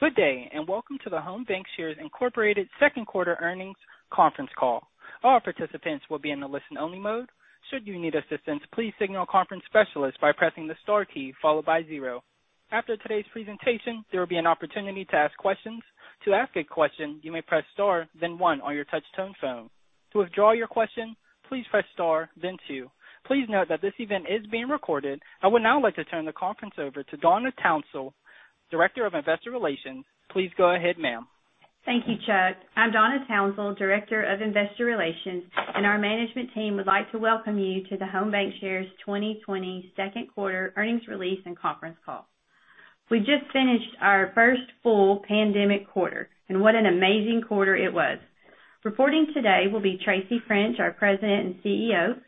Good day, and welcome to the Home Bancshares Incorporated second quarter earnings conference call. All participants will be in the listen only mode. Should you need assistance, please signal a conference specialist by pressing the star key followed by zero. After today's presentation, there will be an opportunity to ask questions. To ask a question, you may press star then one on your touch-tone phone. To withdraw your question, please press star then two. Please note that this event is being recorded. I would now like to turn the conference over to Donna Townsell, Director of Investor Relations. Please go ahead, ma'am. Thank you, Chuck. Our management team would like to welcome you to the Home Bancshares 2020 second quarter earnings release and conference call. I'm Donna Townsell, Director of Investor Relations. We just finished our first full pandemic quarter, and what an amazing quarter it was. Reporting today will be Tracy French, our President and CEO,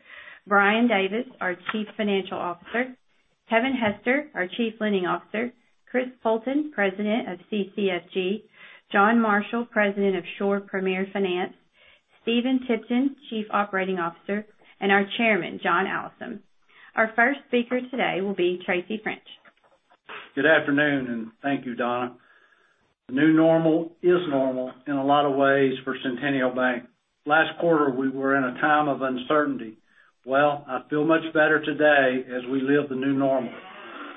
Brian Davis, our Chief Financial Officer, Kevin Hester, our Chief Lending Officer, Chris Poulton, President of CCFG, John Marshall, President of Shore Premier Finance, Stephen Tipton, Chief Operating Officer, and our Chairman, John Allison. Our first speaker today will be Tracy French. Good afternoon, and thank you, Donna Townsell. The new normal is normal in a lot of ways for Centennial Bank. Last quarter, we were in a time of uncertainty. Well, I feel much better today as we live the new normal.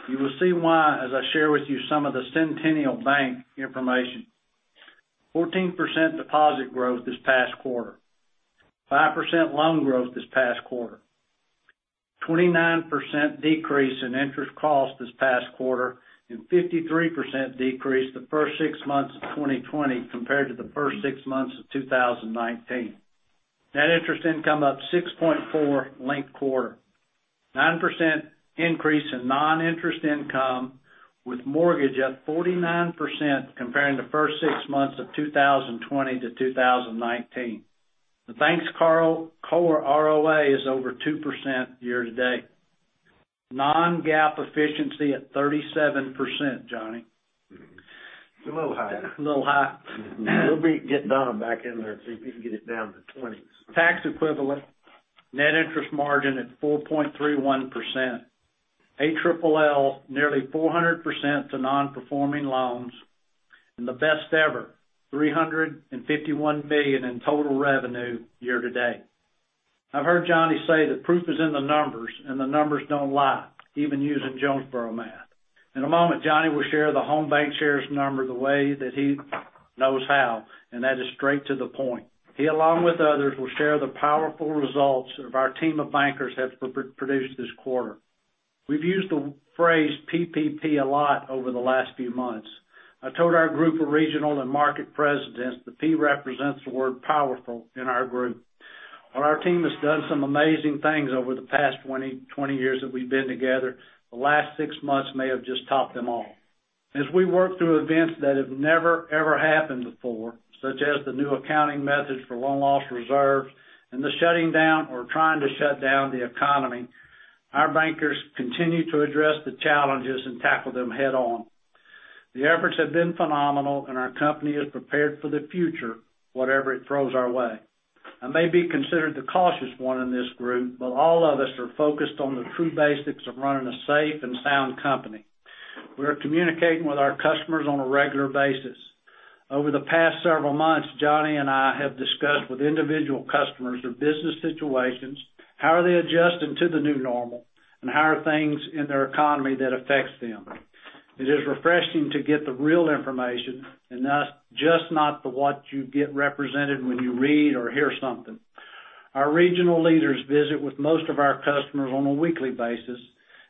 You will see why as I share with you some of the Centennial Bank information. 14% deposit growth this past quarter. 5% loan growth this past quarter. 29% decrease in interest cost this past quarter, and 53% decrease the first six months of 2020 compared to the first six months of 2019. Net interest income up 6.4 linked quarter. 9% increase in non-interest income, with mortgage up 49% comparing the first six months of 2020 to 2019. The bank's core ROA is over 2% year to date. Non-GAAP efficiency at 37%, Johnny. It's a little high. A little high. We'll get Donna back in there and see if he can get it down to twenties. Tax equivalent net interest margin at 4.31%. ALL, nearly 400% to Non-Performing Loans, and the best ever, $351 million in total revenue year to date. I've heard Johnny say that proof is in the numbers, and the numbers don't lie, even using Jonesboro math. In a moment, Johnny will share the Home Bancshares number the way that he knows how, and that is straight to the point. He, along with others, will share the powerful results of our team of bankers have produced this quarter. We've used the phrase PPP a lot over the last few months. I told our group of regional and market presidents the P represents the word powerful in our group. While our team has done some amazing things over the past 20 years that we've been together, the last six months may have just topped them all. As we work through events that have never, ever happened before, such as the new accounting methods for loan loss reserves and the shutting down or trying to shut down the economy, our bankers continue to address the challenges and tackle them head on. The efforts have been phenomenal, and our company is prepared for the future, whatever it throws our way. I may be considered the cautious one in this group, but all of us are focused on the true basics of running a safe and sound company. We are communicating with our customers on a regular basis. Over the past several months, Johnny and I have discussed with individual customers their business situations, how are they adjusting to the new normal, and how are things in their economy that affects them. It is refreshing to get the real information and thus just not the what you get represented when you read or hear something.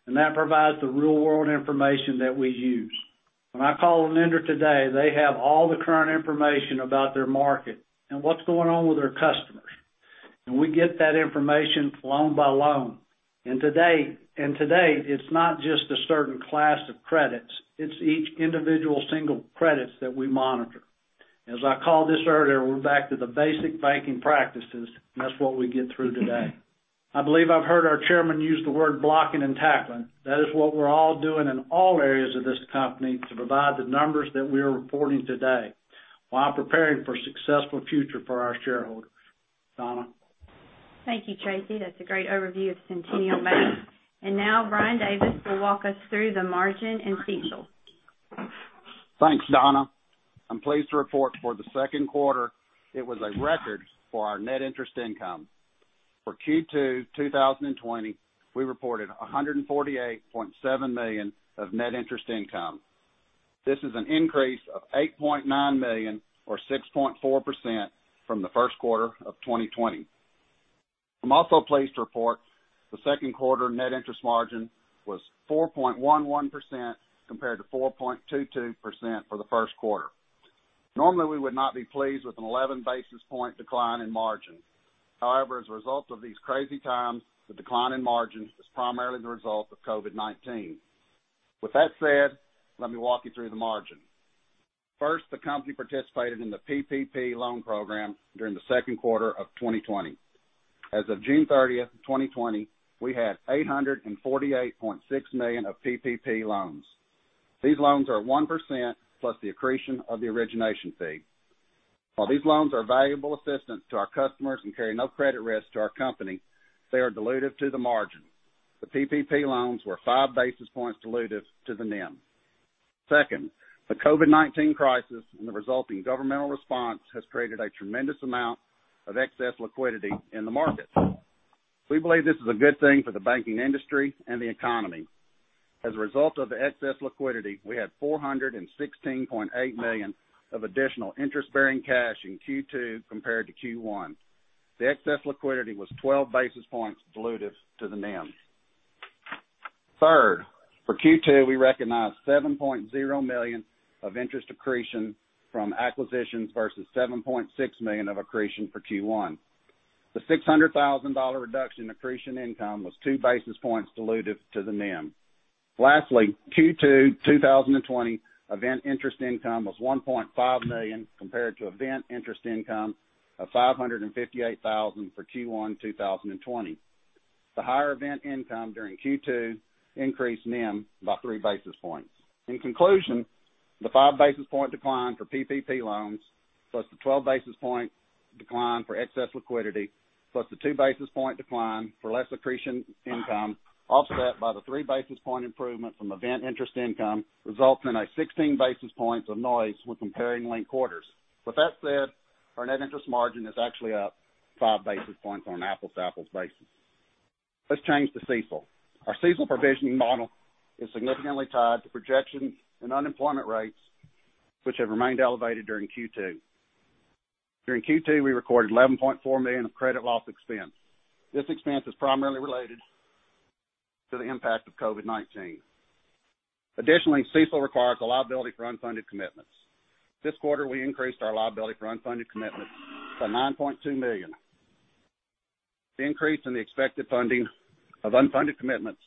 That provides the real-world information that we use. When I call a lender today, they have all the current information about their market and what's going on with their customers. We get that information loan by loan. To date, it's not just a certain class of credits, it's each individual single credits that we monitor. As I called this earlier, we're back to the basic banking practices. That's what we get through today. I believe I've heard our Chairman use the word blocking and tackling. That is what we're all doing in all areas of this company to provide the numbers that we are reporting today while preparing for a successful future for our shareholders. Donna? Thank you, Tracy. That's a great overview of Centennial Bank. Now Brian Davis will walk us through the margin and details. Thanks, Donna. I'm pleased to report for the second quarter, it was a record for our net interest income. For Q2 2020, we reported $148.7 million of net interest income. This is an increase of $8.9 million or 6.4% from the first quarter of 2020. I'm also pleased to report the second quarter net interest margin was 4.11% compared to 4.22% for the first quarter. Normally, we would not be pleased with an 11-basis point decline in margin. However, as a result of these crazy times, the decline in margin is primarily the result of COVID-19. With that said, let me walk you through the margin. First, the company participated in the PPP loan program during the second quarter of 2020. As of June 30th, 2020, we had $848.6 million of PPP loans. These loans are 1% plus the accretion of the origination fee. While these loans are valuable assistance to our customers and carry no credit risk to our company, they are dilutive to the margin. The PPP loans were five basis points dilutive to the NIM. Second, the COVID-19 crisis and the resulting governmental response has created a tremendous amount of excess liquidity in the market. We believe this is a good thing for the banking industry and the economy. As a result of the excess liquidity, we had $416.8 million of additional interest-bearing cash in Q2 compared to Q1. The excess liquidity was 12 basis points dilutive to the NIM. Third, for Q2, we recognized $7.0 million of interest accretion from acquisitions versus $7.6 million of accretion for Q1. The $600,000 reduction in accretion income was two basis points dilutive to the NIM. Lastly, Q2 2020 event interest income was $1.5 million compared to event interest income of $558,000 for Q1 2020. The higher event income during Q2 increased NIM by three basis points. In conclusion, the five basis point decline for PPP loans, plus the 12 basis point decline for excess liquidity, plus the two basis point decline for less accretion income, offset by the three basis point improvement from event interest income, results in a 16 basis points of noise when comparing linked quarters. With that said, our net interest margin is actually up five basis points on an apples-to-apples basis. Let's change to CECL. Our CECL provisioning model is significantly tied to projections and unemployment rates, which have remained elevated during Q2. During Q2, we recorded $11.4 million of credit loss expense. This expense is primarily related to the impact of COVID-19. Additionally, CECL requires a liability for unfunded commitments. This quarter, we increased our liability for unfunded commitments by $9.2 million. The increase in the expected funding of unfunded commitments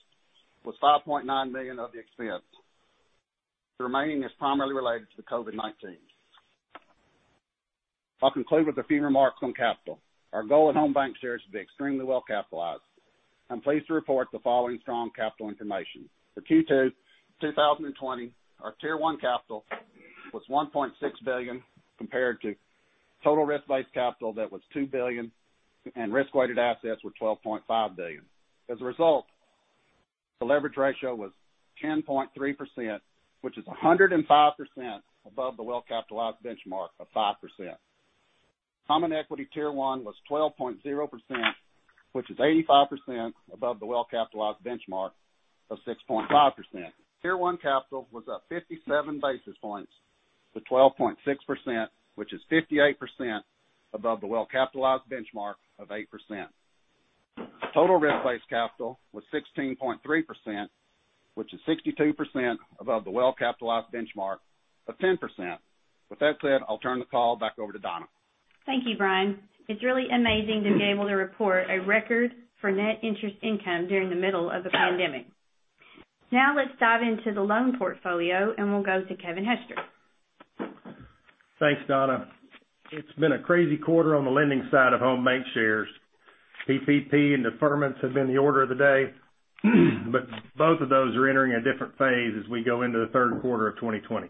was $5.9 million of the expense. The remaining is primarily related to the COVID-19. I'll conclude with a few remarks on capital. Our goal at Home Bancshares is to be extremely well capitalized. I'm pleased to report the following strong capital information. For Q2 2020, our Tier 1 capital was $1.6 billion compared to total risk-based capital that was $2 billion and risk-weighted assets were $12.5 billion. As a result, the leverage ratio was 10.3%, which is 105% above the well-capitalized benchmark of 5%. Common Equity Tier 1 was 12.0%, which is 85% above the well-capitalized benchmark of 6.5%. Tier 1 capital was up 57 basis points to 12.6%, which is 58% above the well-capitalized benchmark of 8%. Total risk-based capital was 16.3%, which is 62% above the well-capitalized benchmark of 10%. With that said, I'll turn the call back over to Donna. Thank you, Brian. It's really amazing to be able to report a record for net interest income during the middle of a pandemic. Now, let's dive into the loan portfolio, and we'll go to Kevin Hester. Thanks, Donna. It's been a crazy quarter on the lending side of Home Bancshares. PPP and deferments have been the order of the day, but both of those are entering a different phase as we go into the third quarter of 2020.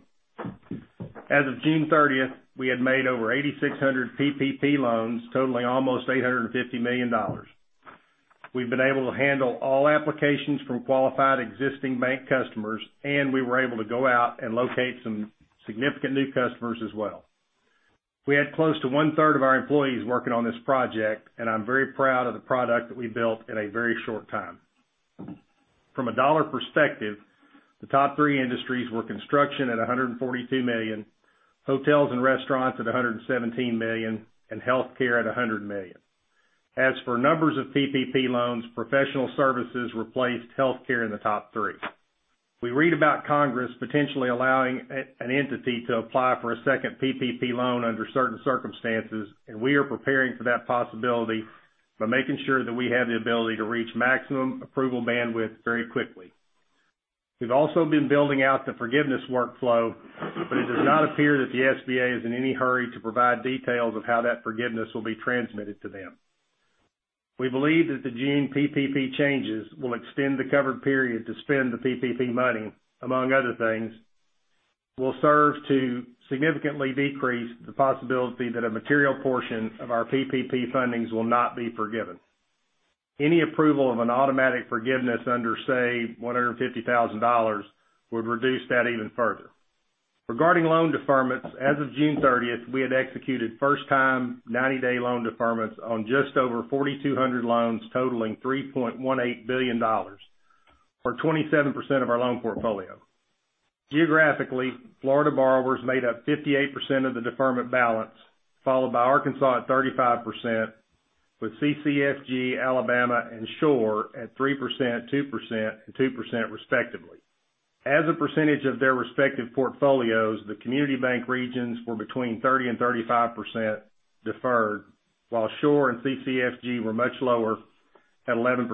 As of June 30th, we had made over 8,600 PPP loans totaling almost $850 million. We've been able to handle all applications from qualified existing bank customers, and we were able to go out and locate some significant new customers as well. We had close to one-third of our employees working on this project, and I'm very proud of the product that we built in a very short time. From a dollar perspective, the top three industries were construction at $142 million, hotels and restaurants at $117 million and healthcare at $100 million. As for numbers of PPP loans, professional services replaced healthcare in the top three. We read about Congress potentially allowing an entity to apply for a second PPP loan under certain circumstances, and we are preparing for that possibility by making sure that we have the ability to reach maximum approval bandwidth very quickly. We've also been building out the forgiveness workflow, but it does not appear that the SBA is in any hurry to provide details of how that forgiveness will be transmitted to them. We believe that the June PPP changes will extend the covered period to spend the PPP money, among other things, will serve to significantly decrease the possibility that a material portion of our PPP fundings will not be forgiven. Any approval of an automatic forgiveness under, say, $150,000 would reduce that even further. Regarding loan deferments, as of June 30th, we had executed first-time 90-day loan deferments on just over 4,200 loans totaling $3.18 billion, or 27% of our loan portfolio. Geographically, Florida borrowers made up 58% of the deferment balance, followed by Arkansas at 35%, with CCFG, Alabama, and Shore at 3%, 2%, and 2% respectively. As a percentage of their respective portfolios, the community bank regions were between 30% and 35% deferred, while Shore and CCFG were much lower at 11%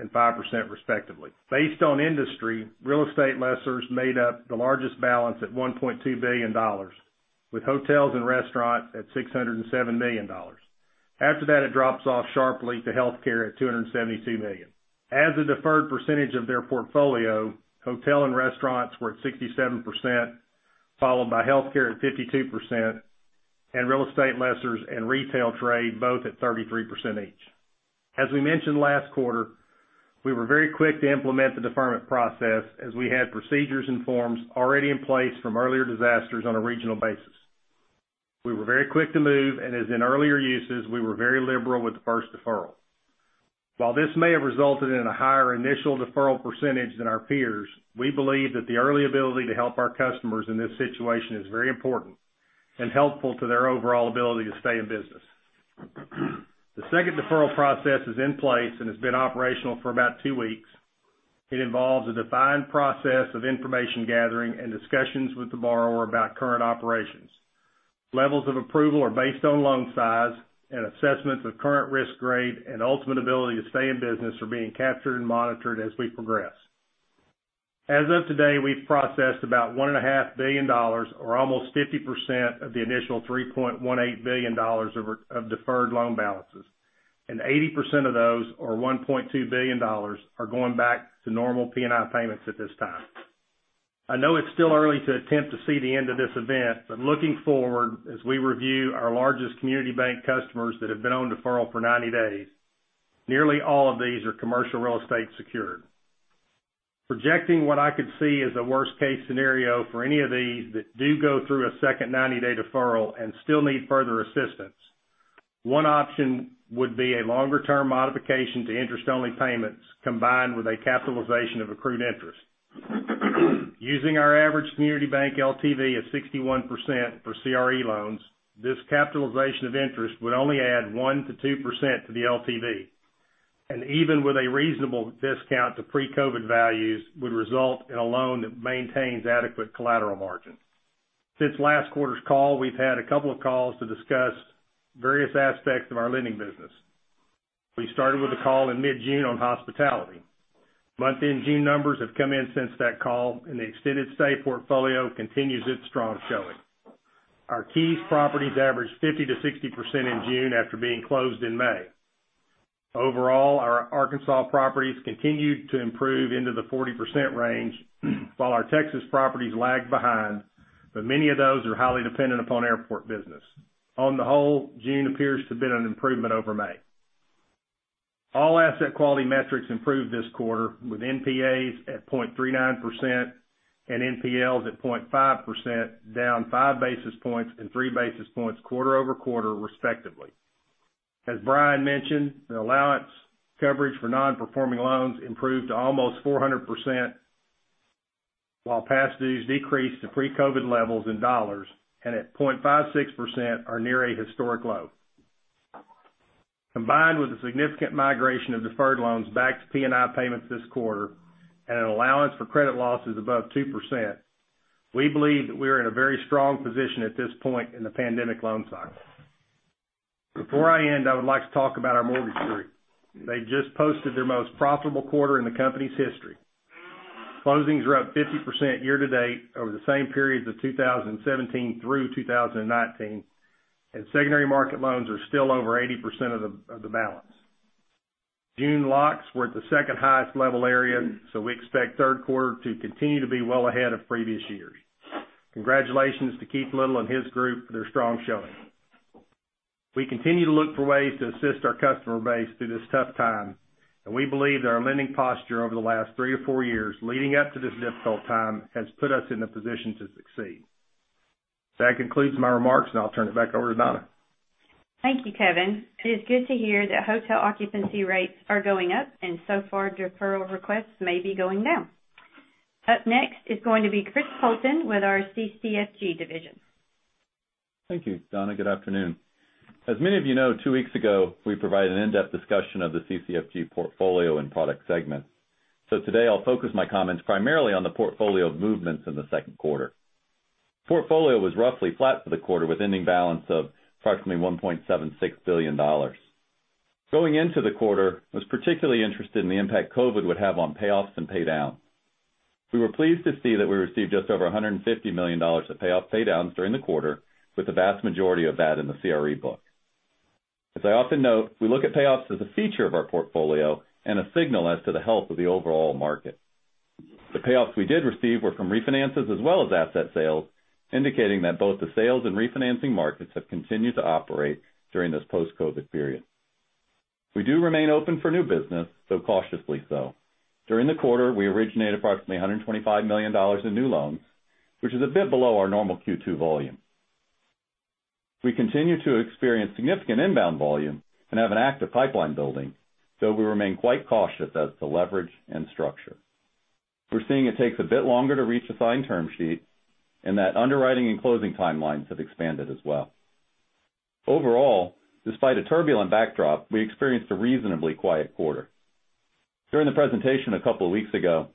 and 5% respectively. Based on industry, real estate lessors made up the largest balance at $1.2 billion, with hotels and restaurants at $607 million. After that, it drops off sharply to healthcare at $272 million. As a deferred percentage of their portfolio, hotel and restaurants were at 67%, followed by healthcare at 52%, and real estate lessors and retail trade both at 33% each. As we mentioned last quarter, we were very quick to implement the deferment process as we had procedures and forms already in place from earlier disasters on a regional basis. We were very quick to move, and as in earlier uses, we were very liberal with the first deferral. While this may have resulted in a higher initial deferral percentage than our peers, we believe that the early ability to help our customers in this situation is very important and helpful to their overall ability to stay in business. The second deferral process is in place and has been operational for about two weeks. It involves a defined process of information gathering and discussions with the borrower about current operations. Levels of approval are based on loan size, and assessments of current risk grade, and ultimate ability to stay in business are being captured and monitored as we progress. As of today, we've processed about $1.5 billion or almost 50% of the initial $3.18 billion of deferred loan balances, and 80% of those, or $1.2 billion, are going back to normal P&I payments at this time. I know it's still early to attempt to see the end of this event. Looking forward, as we review our largest community bank customers that have been on deferral for 90 days, nearly all of these are commercial real estate secured. Projecting what I could see as a worst-case scenario for any of these that do go through a second 90-day deferral and still need further assistance, one option would be a longer-term modification to interest-only payments combined with a capitalization of accrued interest. Using our average community bank LTV of 61% for CRE loans, this capitalization of interest would only add 1%-2% to the LTV, and even with a reasonable discount to pre-COVID values, would result in a loan that maintains adequate collateral margin. Since last quarter's call, we've had a couple of calls to discuss various aspects of our lending business. We started with a call in mid-June on hospitality. Month-end June numbers have come in since that call, and the extended stay portfolio continues its strong showing. Our Keys properties averaged 50%-60% in June after being closed in May. Overall, our Arkansas properties continued to improve into the 40% range, while our Texas properties lagged behind, but many of those are highly dependent upon airport business. On the whole, June appears to have been an improvement over May. All asset quality metrics improved this quarter, with NPAs at 0.39% and NPLs at 0.5%, down 5 basis points and 3 basis points quarter-over-quarter respectively. As Brian mentioned, the allowance coverage for non-performing loans improved to almost 400%, while past dues decreased to pre-COVID levels in dollars, and at 0.56% are near a historic low. Combined with the significant migration of deferred loans back to P&I payments this quarter and an allowance for credit losses above 2%, we believe that we are in a very strong position at this point in the pandemic loan cycle. Before I end, I would like to talk about our mortgage group. They just posted their most profitable quarter in the company's history. Closings are up 50% year-to-date over the same periods of 2017 through 2019, and secondary market loans are still over 80% of the balance. June locks were at the second highest level area. We expect third quarter to continue to be well ahead of previous years. Congratulations to Keith Little and his group for their strong showing. We continue to look for ways to assist our customer base through this tough time, and we believe that our lending posture over the last three or four years leading up to this difficult time has put us in a position to succeed. That concludes my remarks, and I'll turn it back over to Donna. Thank you, Kevin. It is good to hear that hotel occupancy rates are going up and so far deferral requests may be going down. Up next is going to be Christopher Poulton with our CCFG division. Thank you, Donna. Good afternoon. As many of you know, two weeks ago, we provided an in-depth discussion of the CCFG portfolio and product segment. Today I'll focus my comments primarily on the portfolio movements in the second quarter. Portfolio was roughly flat for the quarter with ending balance of approximately $1.76 billion. Going into the quarter, I was particularly interested in the impact COVID would have on payoffs and pay downs. We were pleased to see that we received just over $150 million of payoff pay downs during the quarter, with the vast majority of that in the CRE book. As I often note, we look at payoffs as a feature of our portfolio and a signal as to the health of the overall market. The payoffs we did receive were from refinances as well as asset sales, indicating that both the sales and refinancing markets have continued to operate during this post-COVID period. We do remain open for new business, though cautiously so. During the quarter, we originated approximately $125 million in new loans, which is a bit below our normal Q2 volume. We continue to experience significant inbound volume and have an active pipeline building, though we remain quite cautious as to leverage and structure. We're seeing it takes a bit longer to reach a signed term sheet and that underwriting and closing timelines have expanded as well. Overall, despite a turbulent backdrop, we experienced a reasonably quiet quarter. During the presentation a couple of weeks ago,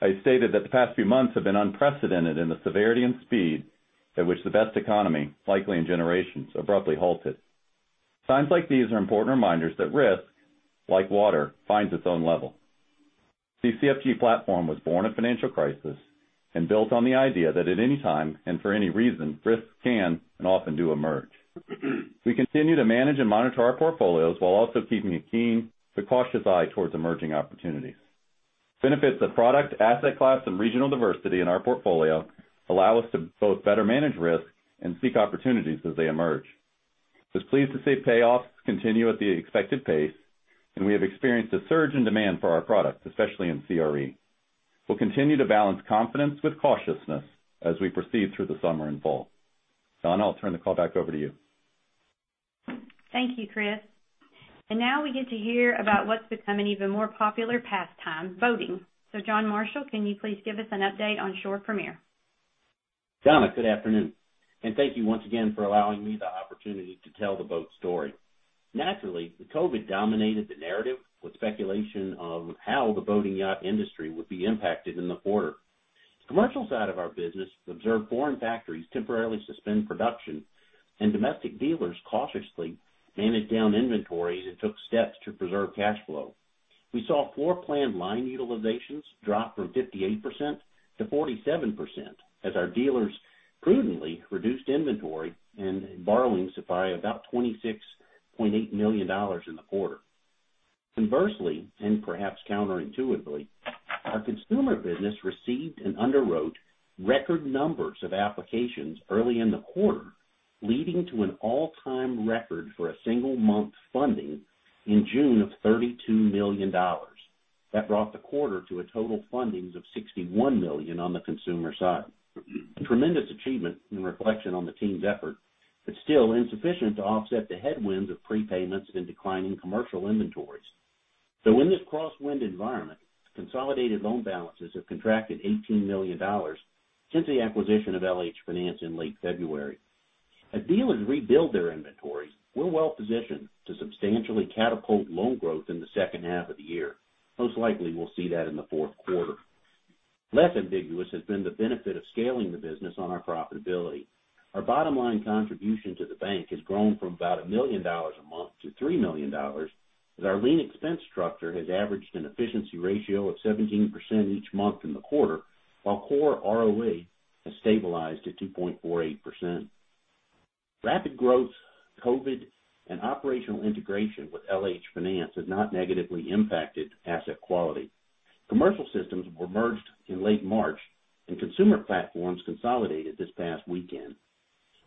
I stated that the past few months have been unprecedented in the severity and speed at which the best economy, likely in generations, abruptly halted. Times like these are important reminders that risk, like water, finds its own level. The CFG platform was born of financial crisis and built on the idea that at any time, and for any reason, risks can, and often do, emerge. We continue to manage and monitor our portfolios while also keeping a keen, precautious eye towards emerging opportunities. Benefits of product, asset class, and regional diversity in our portfolio allow us to both better manage risk and seek opportunities as they emerge. Was pleased to see payoffs continue at the expected pace, and we have experienced a surge in demand for our product, especially in CRE. We'll continue to balance confidence with cautiousness as we proceed through the summer and fall. Donna, I'll turn the call back over to you. Thank you, Chris. Now we get to hear about what's become an even more popular pastime, boating. John Marshall, can you please give us an update on Shore Premier? Donna, good afternoon, and thank you once again for allowing me the opportunity to tell the boat story. Naturally, the COVID dominated the narrative with speculation of how the boating yacht industry would be impacted in the quarter. The commercial side of our business observed foreign factories temporarily suspend production and domestic dealers cautiously managed down inventories and took steps to preserve cash flow. We saw floor plan line utilizations drop from 58% to 47% as our dealers prudently reduced inventory and borrowings by about $26.8 million in the quarter. Conversely, and perhaps counterintuitively, our consumer business received and underwrote record numbers of applications early in the quarter, leading to an all-time record for a single month funding in June of $32 million. That brought the quarter to a total fundings of $61 million on the consumer side. A tremendous achievement in reflection on the team's effort, but still insufficient to offset the headwinds of prepayments and declining commercial inventories. In this crosswind environment, consolidated loan balances have contracted $18 million since the acquisition of LH-Finance in late February. As dealers rebuild their inventory, we're well positioned to substantially catapult loan growth in the second half of the year. Most likely we'll see that in the fourth quarter. Less ambiguous has been the benefit of scaling the business on our profitability. Our bottom line contribution to the bank has grown from about $1 million a month to $3 million as our lean expense structure has averaged an efficiency ratio of 17% each month in the quarter, while core ROA has stabilized at 2.48%. Rapid growth, COVID, and operational integration with LH-Finance has not negatively impacted asset quality. Commercial systems were merged in late March and consumer platforms consolidated this past weekend.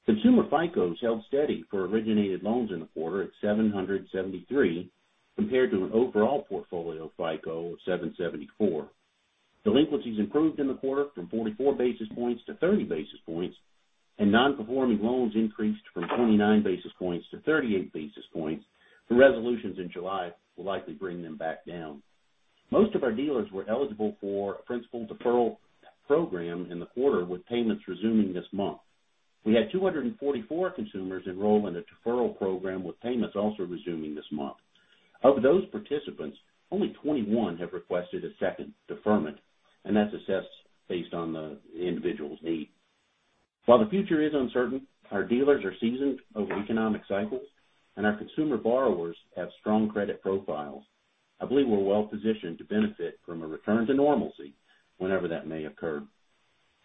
Consumer FICOs held steady for originated loans in the quarter at 773, compared to an overall portfolio FICO of 774. Delinquencies improved in the quarter from 44 basis points to 30 basis points, and non-performing loans increased from 29 basis points to 38 basis points, through resolutions in July will likely bring them back down. Most of our dealers were eligible for a principal deferral program in the quarter with payments resuming this month. We had 244 consumers enroll in a deferral program with payments also resuming this month. Of those participants, only 21 have requested a second deferment, and that's assessed based on the individual's need. While the future is uncertain, our dealers are seasoned over economic cycles, and our consumer borrowers have strong credit profiles. I believe we're well positioned to benefit from a return to normalcy, whenever that may occur.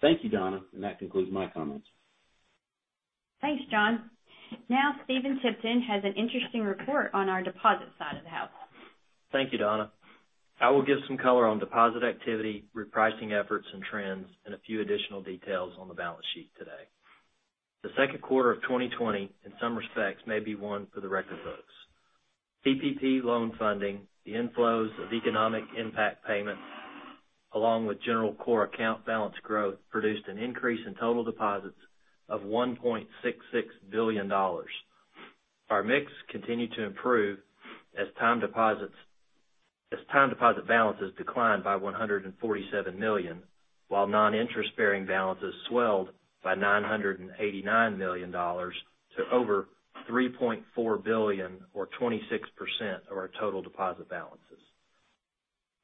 Thank you, Donna, and that concludes my comments. Thanks, John. Stephen Tipton has an interesting report on our deposit side of the house. Thank you, Donna. I will give some color on deposit activity, repricing efforts and trends, and a few additional details on the balance sheet today. The second quarter of 2020, in some respects, may be one for the record books. PPP loan funding, the inflows of economic impact payments, along with general core account balance growth, produced an increase in total deposits of $1.66 billion. Our mix continued to improve as time deposit balances declined by $147 million, while non-interest bearing balances swelled by $989 million to over $3.4 billion or 26% of our total deposit balances.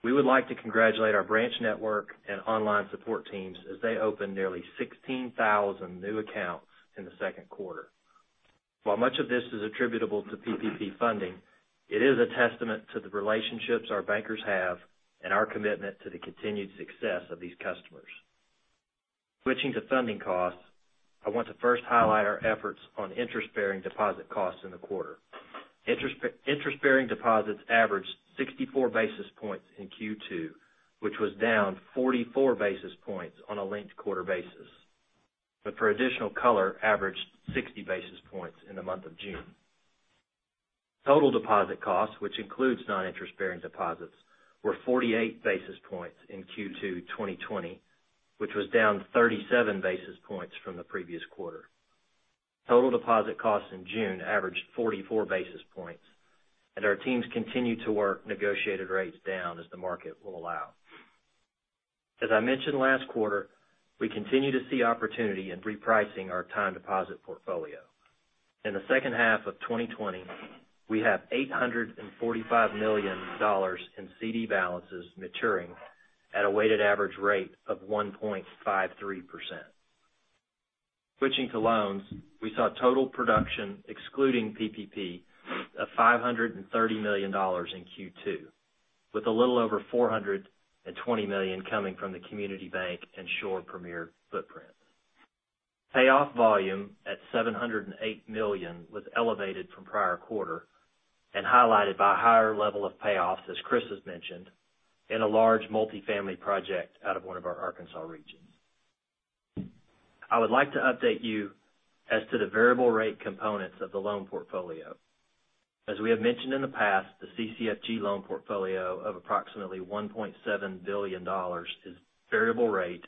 We would like to congratulate our branch network and online support teams as they opened nearly 16,000 new accounts in the second quarter. While much of this is attributable to PPP funding, it is a testament to the relationships our bankers have and our commitment to the continued success of these customers. Switching to funding costs, I want to first highlight our efforts on interest-bearing deposit costs in the quarter. Interest-bearing deposits averaged 64 basis points in Q2, which was down 44 basis points on a linked quarter basis. For additional color, averaged 60 basis points in the month of June. Total deposit costs, which includes non-interest-bearing deposits, were 48 basis points in Q2 2020, which was down 37 basis points from the previous quarter. Total deposit costs in June averaged 44 basis points, and our teams continue to work negotiated rates down as the market will allow. As I mentioned last quarter, we continue to see opportunity in repricing our time deposit portfolio. In the second half of 2020, we have $845 million in CD balances maturing at a weighted average rate of 1.53%. Switching to loans, we saw total production excluding PPP of $530 million in Q2, with a little over $420 million coming from the Community Bank and Shore Premier footprint. Payoff volume at $708 million was elevated from prior quarter and highlighted by a higher level of payoffs, as Chris has mentioned, in a large multifamily project out of one of our Arkansas regions. I would like to update you as to the variable rate components of the loan portfolio. As we have mentioned in the past, the CCFG loan portfolio of approximately $1.7 billion is variable rate,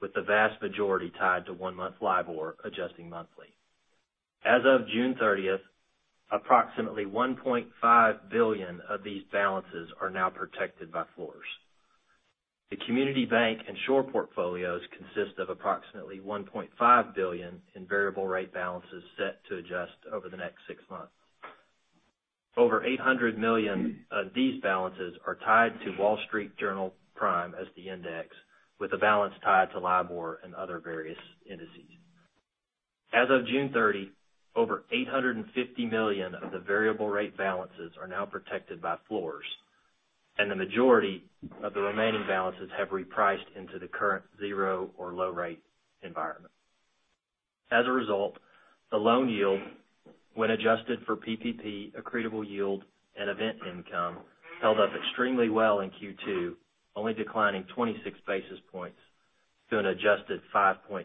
with the vast majority tied to one-month LIBOR adjusting monthly. As of June 30th, approximately $1.5 billion of these balances are now protected by floors. The Community Bank and Shore portfolios consist of approximately $1.5 billion in variable rate balances set to adjust over the next six months. Over $800 million of these balances are tied to Wall Street Journal Prime as the index, with a balance tied to LIBOR and other various indices. As of June 30, over $850 million of the variable rate balances are now protected by floors. The majority of the remaining balances have repriced into the current zero or low rate environment. As a result, the loan yield, when adjusted for PPP, accretable yield, and event income, held up extremely well in Q2, only declining 26 basis points to an adjusted 5.20%.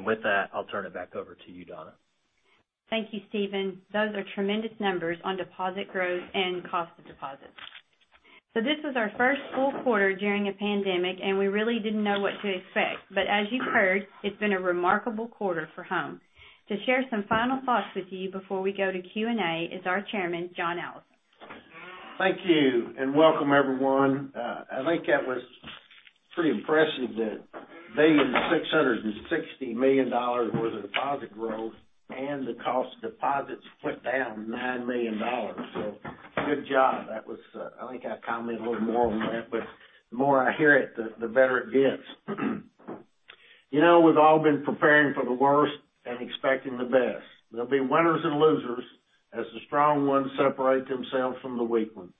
With that, I'll turn it back over to you, Donna. Thank you, Stephen. Those are tremendous numbers on deposit growth and cost of deposits. This was our first full quarter during a pandemic, and we really didn't know what to expect. As you've heard, it's been a remarkable quarter for Home. To share some final thoughts with you before we go to Q&A is our Chairman, John Allison. Thank you, and welcome everyone. I think that was pretty impressive, that $1,660 million worth of deposit growth and the cost of deposits flipped down $9 million. Good job. I think I commented a little more on that, but the more I hear it, the better it gets. We've all been preparing for the worst and expecting the best. There'll be winners and losers as the strong ones separate themselves from the weak ones.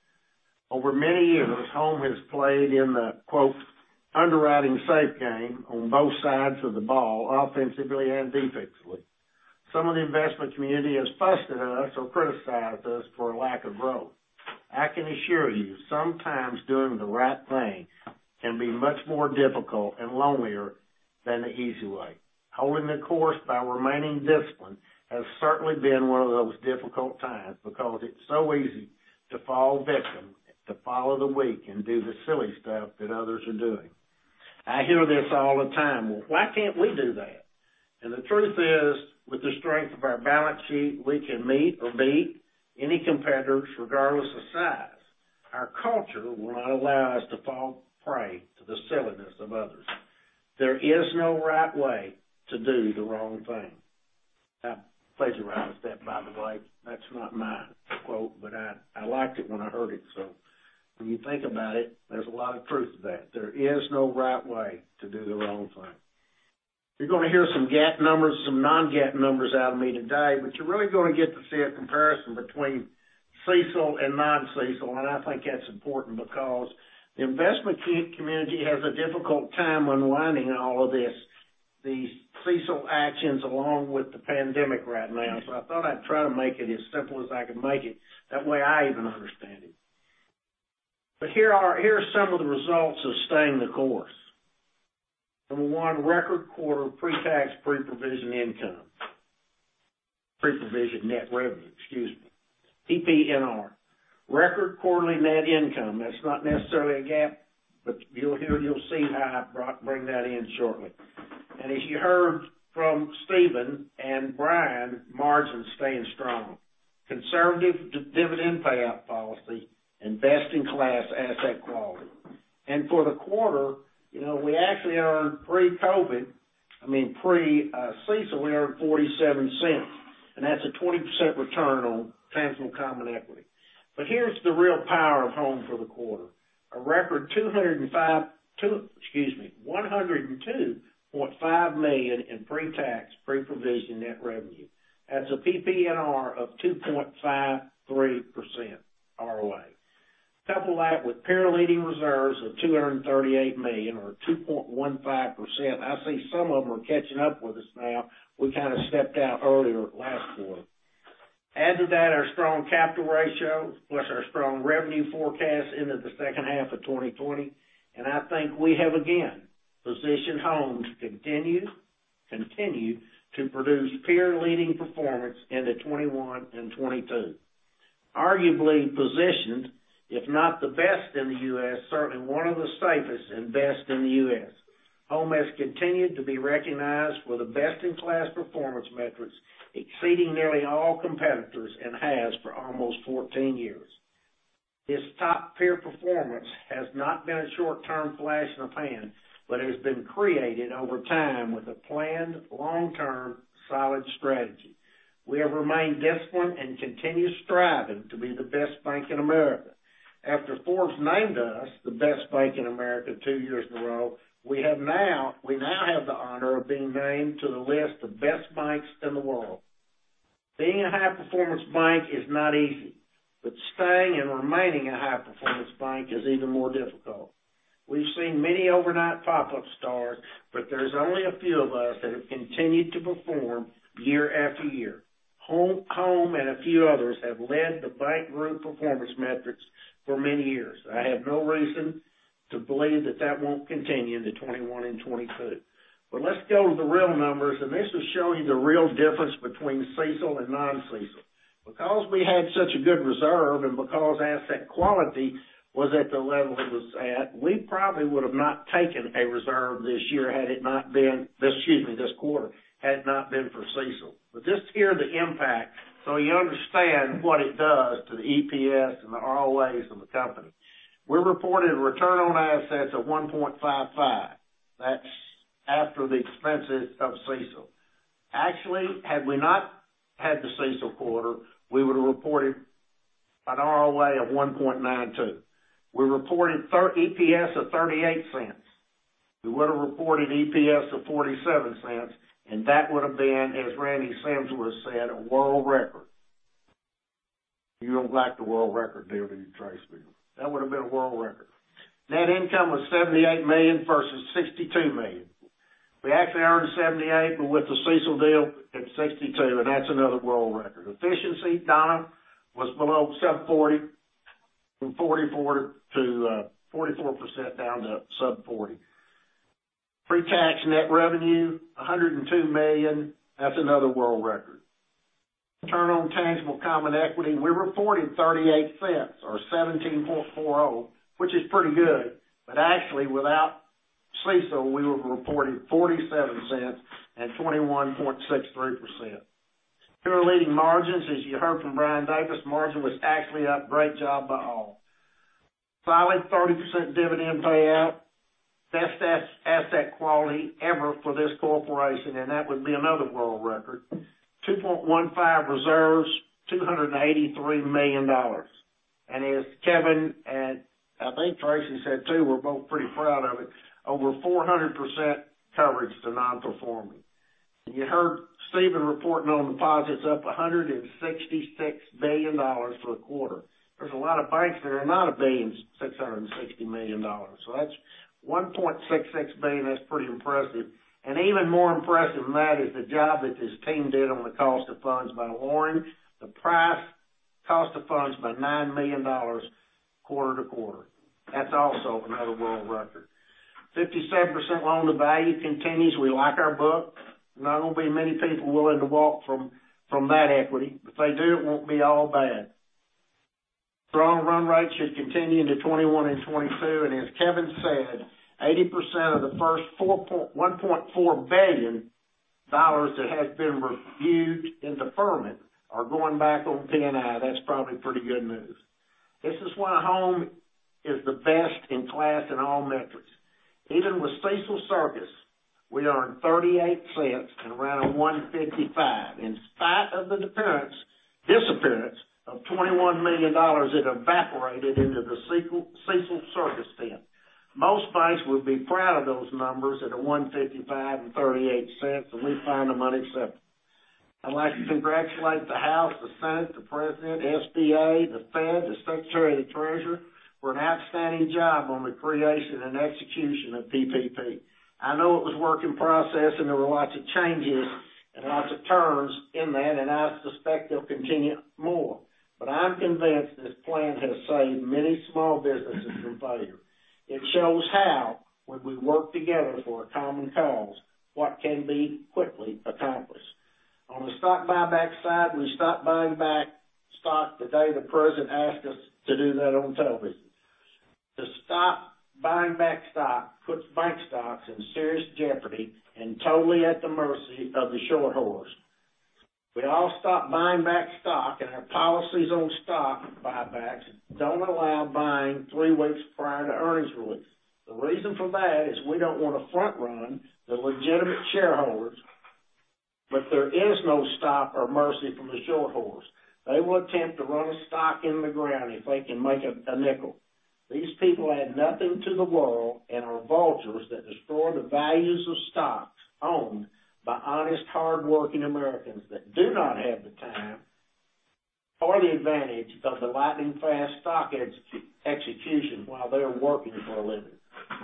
Over many years, Home has played in the quote, "underwriting safe game" on both sides of the ball, offensively and defensively. Some of the investment community has fussed at us or criticized us for a lack of growth. I can assure you, sometimes doing the right thing can be much more difficult and lonelier than the easy way. Holding the course by remaining disciplined has certainly been one of those difficult times, because it's so easy to fall victim, to follow the weak, and do the silly stuff that others are doing. I hear this all the time, "Well, why can't we do that?" The truth is, with the strength of our balance sheet, we can meet or beat any competitors, regardless of size. Our culture will not allow us to fall prey to the silliness of others. There is no right way to do the wrong thing. I played around with that, by the way. That's not my quote, but I liked it when I heard it, so when you think about it, there's a lot of truth to that. There is no right way to do the wrong thing. You're going to hear some GAAP numbers, some non-GAAP numbers out of me today, you're really going to get to see a comparison between CECL and non-CECL. I think that's important because the investment community has a difficult time unwinding all of this, these CECL actions along with the pandemic right now. I thought I'd try to make it as simple as I could make it. That way, I even understand it. Here are some of the results of staying the course. Number 1, record quarter pre-tax, pre-provision income. Pre-provision net revenue, excuse me, PPNR. Record quarterly net income. That's not necessarily a GAAP, you'll see how I bring that in shortly. As you heard from Stephen and Brian, margin staying strong, conservative dividend payout policy, and best in class asset quality. For the quarter, we actually earned pre-COVID, I mean, pre-CECL, we earned $0.47, that's a 20% return on tangible common equity. Here's the real power of Home for the quarter, a record $102.5 million in pre-tax, pre-provision net revenue. That's a PPNR of 2.53% ROA. Couple that with peer-leading reserves of $238 million, or 2.15%. I see some of them are catching up with us now. We kind of stepped out earlier last quarter. Add to that our strong capital ratio, plus our strong revenue forecast into the second half of 2020, I think we have, again, positioned Home to continue to produce peer-leading performance into 2021 and 2022. Arguably positioned, if not the best in the U.S., certainly one of the safest and best in the U.S. Home has continued to be recognized for the best-in-class performance metrics, exceeding nearly all competitors, and has for almost 14 years. This top peer performance has not been a short-term flash in the pan, but it has been created over time with a planned, long-term, solid strategy. We have remained disciplined and continue striving to be the best bank in America. After Forbes named us the best bank in America two years in a row, we now have the honor of being named to the list of best banks in the world. Being a high performance bank is not easy, but staying and remaining a high performance bank is even more difficult. We've seen many overnight pop-up stars, but there's only a few of us that have continued to perform year after year. Home and a few others have led the bank group performance metrics for many years. I have no reason to believe that that won't continue into 2021 and 2022. Let's go to the real numbers, and this will show you the real difference between CECL and non-CECL. Because we had such a good reserve, and because asset quality was at the level it was at, we probably would have not taken a reserve this quarter, had it not been for CECL. Just hear the impact so you understand what it does to the EPS and the ROAs of the company. We reported return on assets of 1.55. That's after the expenses of CECL. Actually, had we not had the CECL quarter, we would have reported an ROA of 1.92. We reported EPS of $0.38. We would have reported EPS of $0.47, and that would have been, as Randy Sims would have said, a world record. You don't like the world record. [inaudible] That would have been a world record. Net income was $78 million versus $62 million. We actually earned $78 million, but with the CECL deal at $62 million, and that's another world record. Efficiency, Donna, was below sub 40, from 44% down to sub 40. Pre-tax net revenue, $102 million. That's another world record. Return on tangible common equity, we reported $0.38 or 17.40%, which is pretty good. Actually, without CECL, we would have reported $0.47 and 21.63%. Tier 1 leading margins, as you heard from Brian Davis, margin was actually a great job by all. Filed 30% dividend payout, best asset quality ever for this corporation, and that would be another world record. 2.15% reserves, $238 million. As Kevin and I think Tracy said too, we're both pretty proud of it, over 400% coverage to non-performing. You heard Stephen reporting on deposits up $166 million for the quarter. There's a lot of banks that are not a $660 million. That's $1.66 billion, that's pretty impressive, and even more impressive than that is the job that this team did on the cost of funds by lowering the price cost of funds by $9 million quarter to quarter. That's also another world record. 57% loan to value continues. We like our book. Not going to be many people willing to walk from that equity. If they do, it won't be all bad. Strong run rate should continue into 2021 and 2022, and as Kevin Hester said, 80% of the first $1.4 billion that has been reviewed in deferment are going back on P&I. That's probably pretty good news. This is why Home Bancshares is the best in class in all metrics. Even with CECL circus, we earned $0.38 and around a 155, in spite of the disappearance of $21 million that evaporated into the CECL circus tent. Most banks would be proud of those numbers at a 155 and $0.38. We find them unacceptable. I'd like to congratulate the House, the Senate, the President, SBA, the Fed, the Secretary of the Treasury, for an outstanding job on the creation and execution of PPP. I know it was work in progress. There were lots of changes and lots of turns in that. I suspect there'll continue more. I'm convinced this plan has saved many small businesses from failure. It shows how, when we work together for a common cause, what can be quickly accomplished. On the stock buyback side, we stopped buying back stock the day the President asked us to do that on television. To stop buying back stock puts bank stocks in serious jeopardy and totally at the mercy of the shorts. We all stopped buying back stock, and our policies on stock buybacks don't allow buying three weeks prior to earnings release. The reason for that is we don't want to front run the legitimate shareholders, but there is no stop or mercy from the shorts. They will attempt to run a stock in the ground if they can make a nickel. These people add nothing to the world and are vultures that destroy the values of stocks owned by honest, hardworking Americans that do not have the time or the advantage of the lightning fast stock execution while they're working for a living.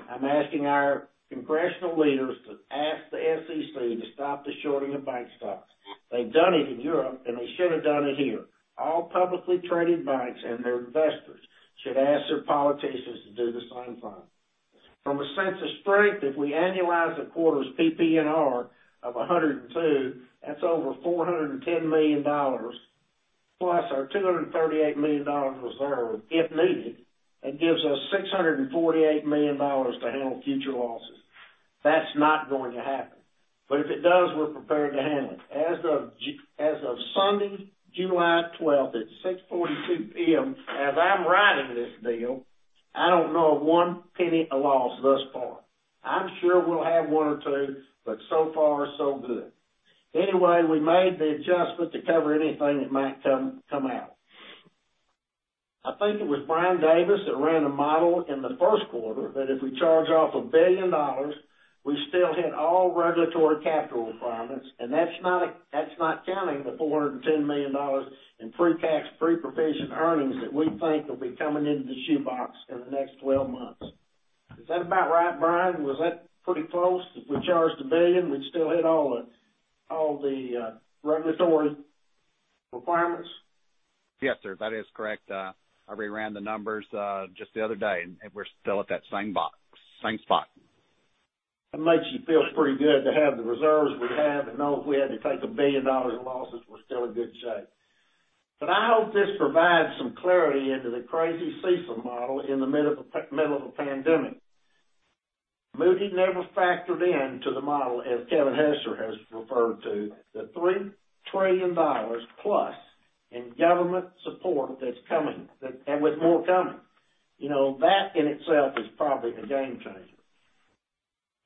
I'm asking our congressional leaders to ask the SEC to stop the shorting of bank stocks. They've done it in Europe, they should have done it here. All publicly traded banks and their investors should ask their politicians to do the same thing. From a sense of strength, if we annualize the quarter's PPNR of 102, that's over $410 million, plus our $238 million reserve, if needed, it gives us $648 million to handle future losses. That's not going to happen. If it does, we're prepared to handle it. As of July 12th at 6:42 P.M., as I'm writing this deal, I don't know of $0.01 of loss thus far. I'm sure we'll have one or two, so far so good. Anyway, we made the adjustment to cover anything that might come out. I think it was Brian Davis that ran a model in the first quarter, that if we charge off $1 billion, we still hit all regulatory capital requirements, and that's not counting the $410 million in pre-tax, pre-provision earnings that we think will be coming into the shoe box in the next 12 months. Is that about right, Brian? Was that pretty close? If we charged $1 billion, we'd still hit all the regulatory requirements? Yes, sir. That is correct. I re-ran the numbers just the other day. We're still at that same spot. It makes you feel pretty good to have the reserves we have and know if we had to take $1 billion in losses, we're still in good shape. I hope this provides some clarity into the crazy CECL model in the middle of a pandemic. Moody's never factored into the model, as Kevin Hester has referred to, the $3 trillion plus in government support that's coming, and with more coming. That in itself is probably a game changer.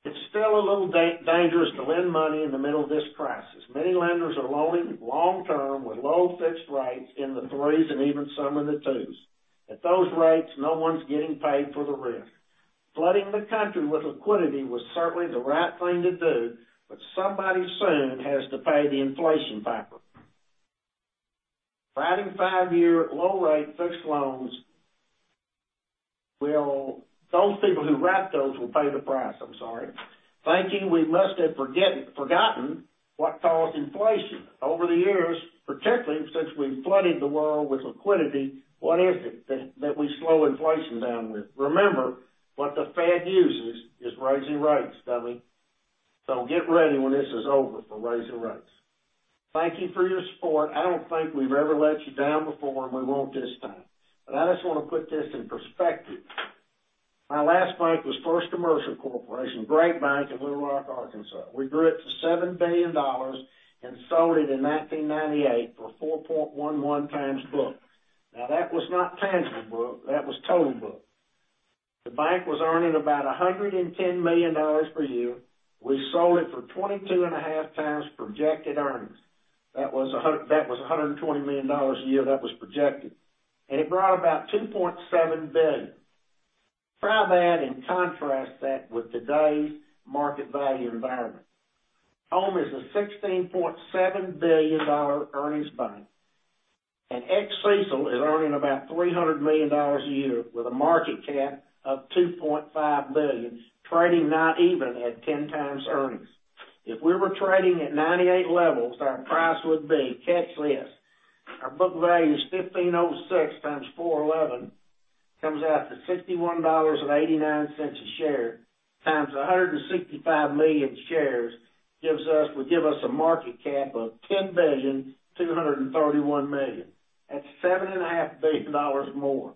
It's still a little dangerous to lend money in the middle of this crisis. Many lenders are loaning long-term with low fixed rates in the threes and even some in the twos. At those rates, no one's getting paid for the risk. Flooding the country with liquidity was certainly the right thing to do, somebody soon has to pay the inflation piper. For adding five-year low rate fixed loans, those people who wrap those will pay the price, I'm sorry. Thank you. We must have forgotten what caused inflation over the years, particularly since we flooded the world with liquidity. What is it that we slow inflation down with? Remember, what the Fed uses is raising rates, dummy. Get ready when this is over for raising rates. Thank you for your support. I don't think we've ever let you down before, and we won't this time. I just want to put this in perspective. My last bank was First Commercial Corporation, great bank in Little Rock, Arkansas. We grew it to $7 billion and sold it in 1998 for 4.11 times book. Now, that was not tangible book, that was total book. The bank was earning about $110 million per year. We sold it for 22 and a half times projected earnings. That was $120 million a year. That was projected. It brought about $2.7 billion. Try that and contrast that with today's market value environment. Home is a $16.7 billion earnings bank, and ex CECL is earning about $300 million a year with a market cap of $2.5 billion, trading not even at 10 times earnings. If we were trading at '98 levels, our price would be, catch this, our book value is $15.06 times 411, comes out to $61.89 a share, times 165 million shares, would give us a market cap of $10 billion, 231 million. That's $7.5 billion more.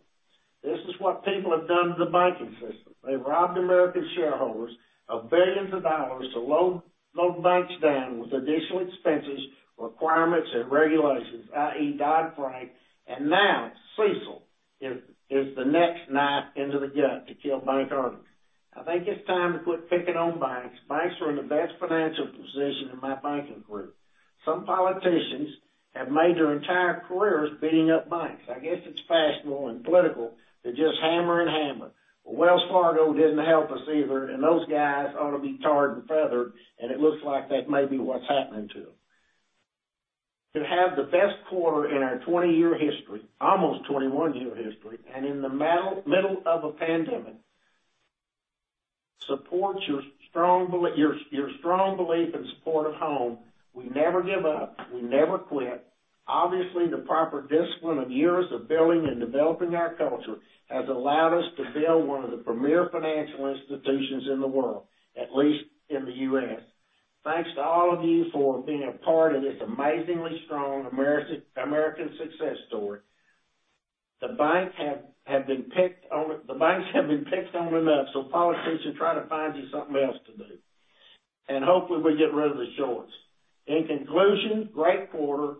This is what people have done to the banking system. They've robbed American shareholders of billions of dollars to load banks down with additional expenses, requirements, and regulations, i.e., Dodd-Frank. Now CECL is the next knife into the gut to kill bank earnings. I think it's time to quit picking on banks. Banks are in the best financial position in my banking career. Some politicians have made their entire careers beating up banks. I guess it's fashionable and political to just hammer and hammer. Wells Fargo didn't help us either, and those guys ought to be tarred and feathered, and it looks like that may be what's happening to them. To have the best quarter in our 20-year history, almost 21-year history, and in the middle of a pandemic, support your strong belief and support of Home. We never give up. We never quit. Obviously, the proper discipline of years of building and developing our culture has allowed us to build one of the premier financial institutions in the world, at least in the U.S. Thanks to all of you for being a part of this amazingly strong American success story. The banks have been picked on enough. Politicians, try to find you something else to do. Hopefully we get rid of the shorts. In conclusion, great quarter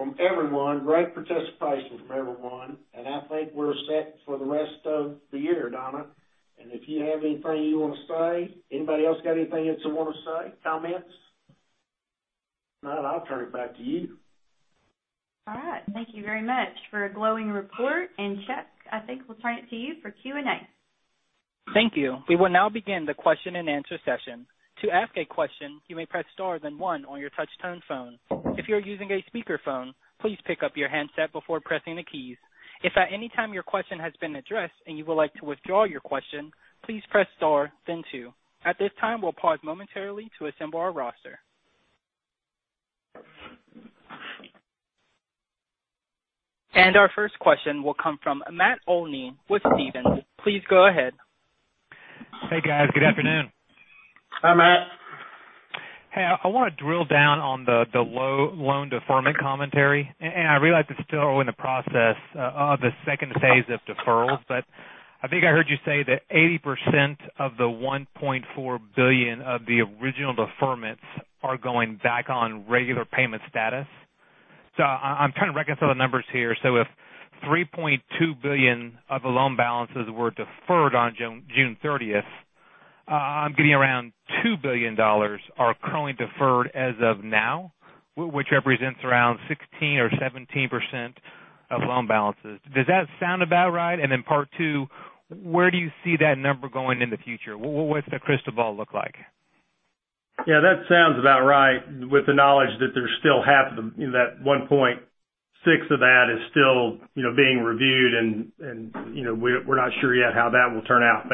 from everyone, great participation from everyone, and I think we're set for the rest of the year, Donna. If you have anything you want to say, anybody else got anything else they want to say? Comments? If not, I'll turn it back to you. All right. Thank you very much for a glowing report. Chuck, I think we'll turn it to you for Q&A. Thank you. We will now begin the question and answer session. To ask a question, you may press star then one on your touch tone phone. If you are using a speakerphone, please pick up your handset before pressing the keys. If at any time your question has been addressed and you would like to withdraw your question, please press star then two. At this time, we'll pause momentarily to assemble our roster. Our first question will come from Matt Olney with Stephens. Please go ahead. Hey, guys. Good afternoon. Hi, Matt. Hey, I want to drill down on the loan deferment commentary. I realize it's still in the process of the phase 2 of deferrals. I think I heard you say that 80% of the $1.4 billion of the original deferments are going back on regular payment status. I'm trying to reconcile the numbers here. If $3.2 billion of the loan balances were deferred on June 30, I'm getting around $2 billion are currently deferred as of now, which represents around 16% or 17% of loan balances. Does that sound about right? Part two, where do you see that number going in the future? What's the crystal ball look like? Yeah, that sounds about right with the knowledge that there's still half of them, that $1.6 of that is still being reviewed and we're not sure yet how that will turn out.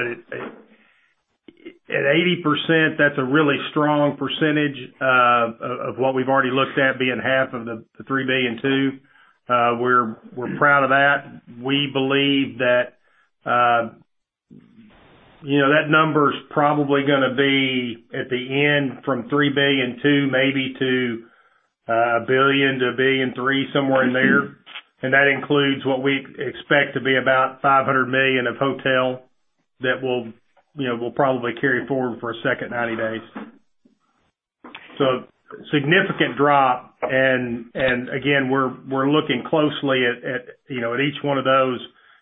At 80%, that's a really strong percentage of what we've already looked at being half of the $3.2 billion. We're proud of that. We believe that that number's probably going to be at the end from $3.2 billion, maybe $1 billion-$1.3 billion, somewhere in there. That includes what we expect to be about $500 million of hotel that we'll probably carry forward for a second 90 days. Significant drop, and again, we're looking closely at each one of those.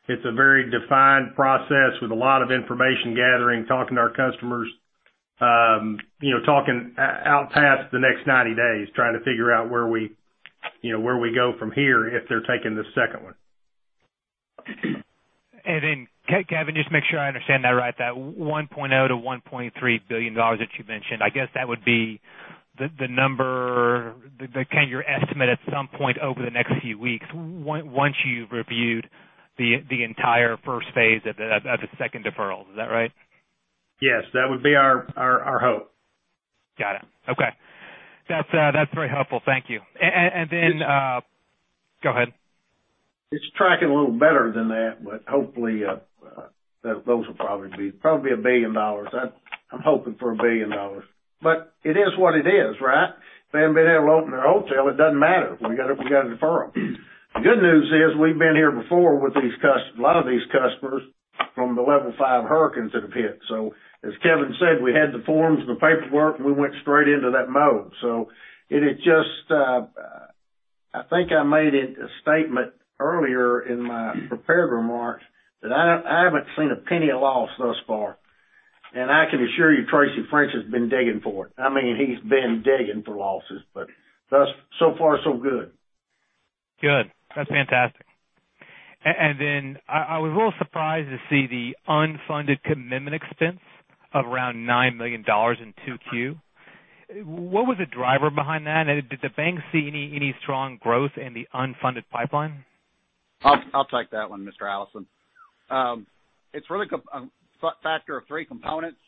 It's a very defined process with a lot of information gathering, talking to our customers, talking out past the next 90 days, trying to figure out where we go from here if they're taking the second one. Kevin, just to make sure I understand that right, that $1 billion-$1.3 billion that you mentioned, I guess that would be the number, your estimate at some point over the next few weeks, once you've reviewed the entire first phase of the second deferral. Is that right? Yes. That would be our hope. Got it. Okay. That's very helpful. Thank you. Go ahead. It's tracking a little better than that, hopefully, those will probably be $1 billion. I'm hoping for $1 billion. It is what it is, right? If they haven't been able to open their hotel, it doesn't matter. We got to defer them. The good news is we've been here before with a lot of these customers from the level 5 hurricanes that have hit. As Kevin said, we had the forms and the paperwork, and we went straight into that mode. I think I made a statement earlier in my prepared remarks that I haven't seen a penny of loss thus far, and I can assure you, Tracy French has been digging for it. He's been digging for losses, so far so good. Good. That's fantastic. Then I was a little surprised to see the unfunded commitment expense of around $9 million in 2Q. What was the driver behind that? Did the bank see any strong growth in the unfunded pipeline? I'll take that one, Mr. Allison. It's really a factor of three components.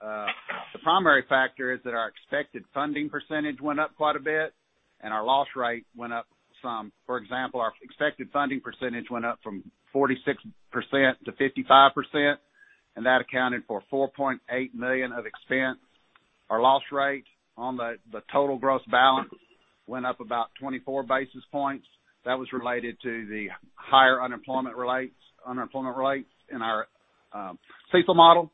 The primary factor is that our expected funding percentage went up quite a bit, and our loss rate went up some. For example, our expected funding percentage went up from 46% to 55%, and that accounted for $4.8 million of expense. Our loss rate on the total gross balance went up about 24 basis points. That was related to the higher unemployment rates in our CECL model.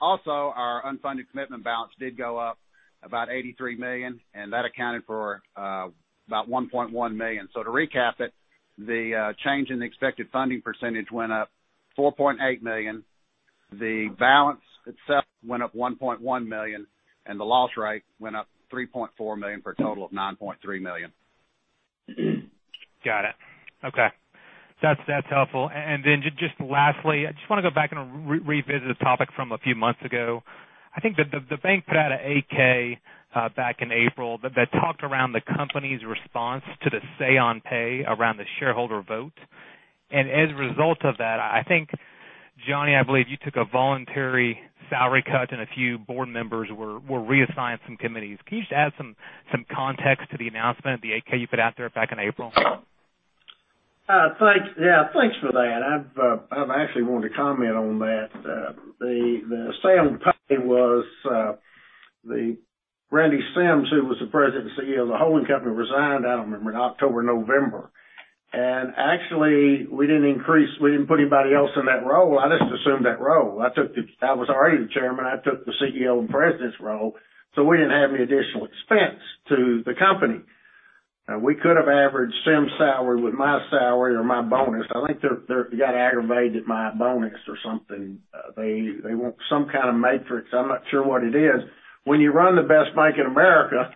Also our unfunded commitment balance did go up about $83 million, and that accounted for about $1.1 million. To recap it, the change in the expected funding percentage went up $4.8 million. The balance itself went up $1.1 million, and the loss rate went up $3.4 million for a total of $9.3 million. Got it. Okay. That's helpful. Just lastly, I just want to go back and revisit a topic from a few months ago. I think that the bank put out an 8-K back in April that talked around the company's response to the say on pay around the shareholder vote. As a result of that, I think, John, I believe you took a voluntary salary cut and a few board members were reassigned some committees. Can you just add some context to the announcement, the 8-K you put out there back in April? Yeah. Thanks for that. I've actually wanted to comment on that. The say on pay was Randy Sims, who was the President and CEO of the holding company, resigned, I don't remember, in October, November. Actually, we didn't put anybody else in that role. I just assumed that role. I was already the Chairman. I took the CEO and President's role, we didn't have any additional expense to the company. We could have averaged Sims' salary with my salary or my bonus. I think they got aggravated at my bonus or something. They want some kind of matrix. I'm not sure what it is. When you run the best bank in America,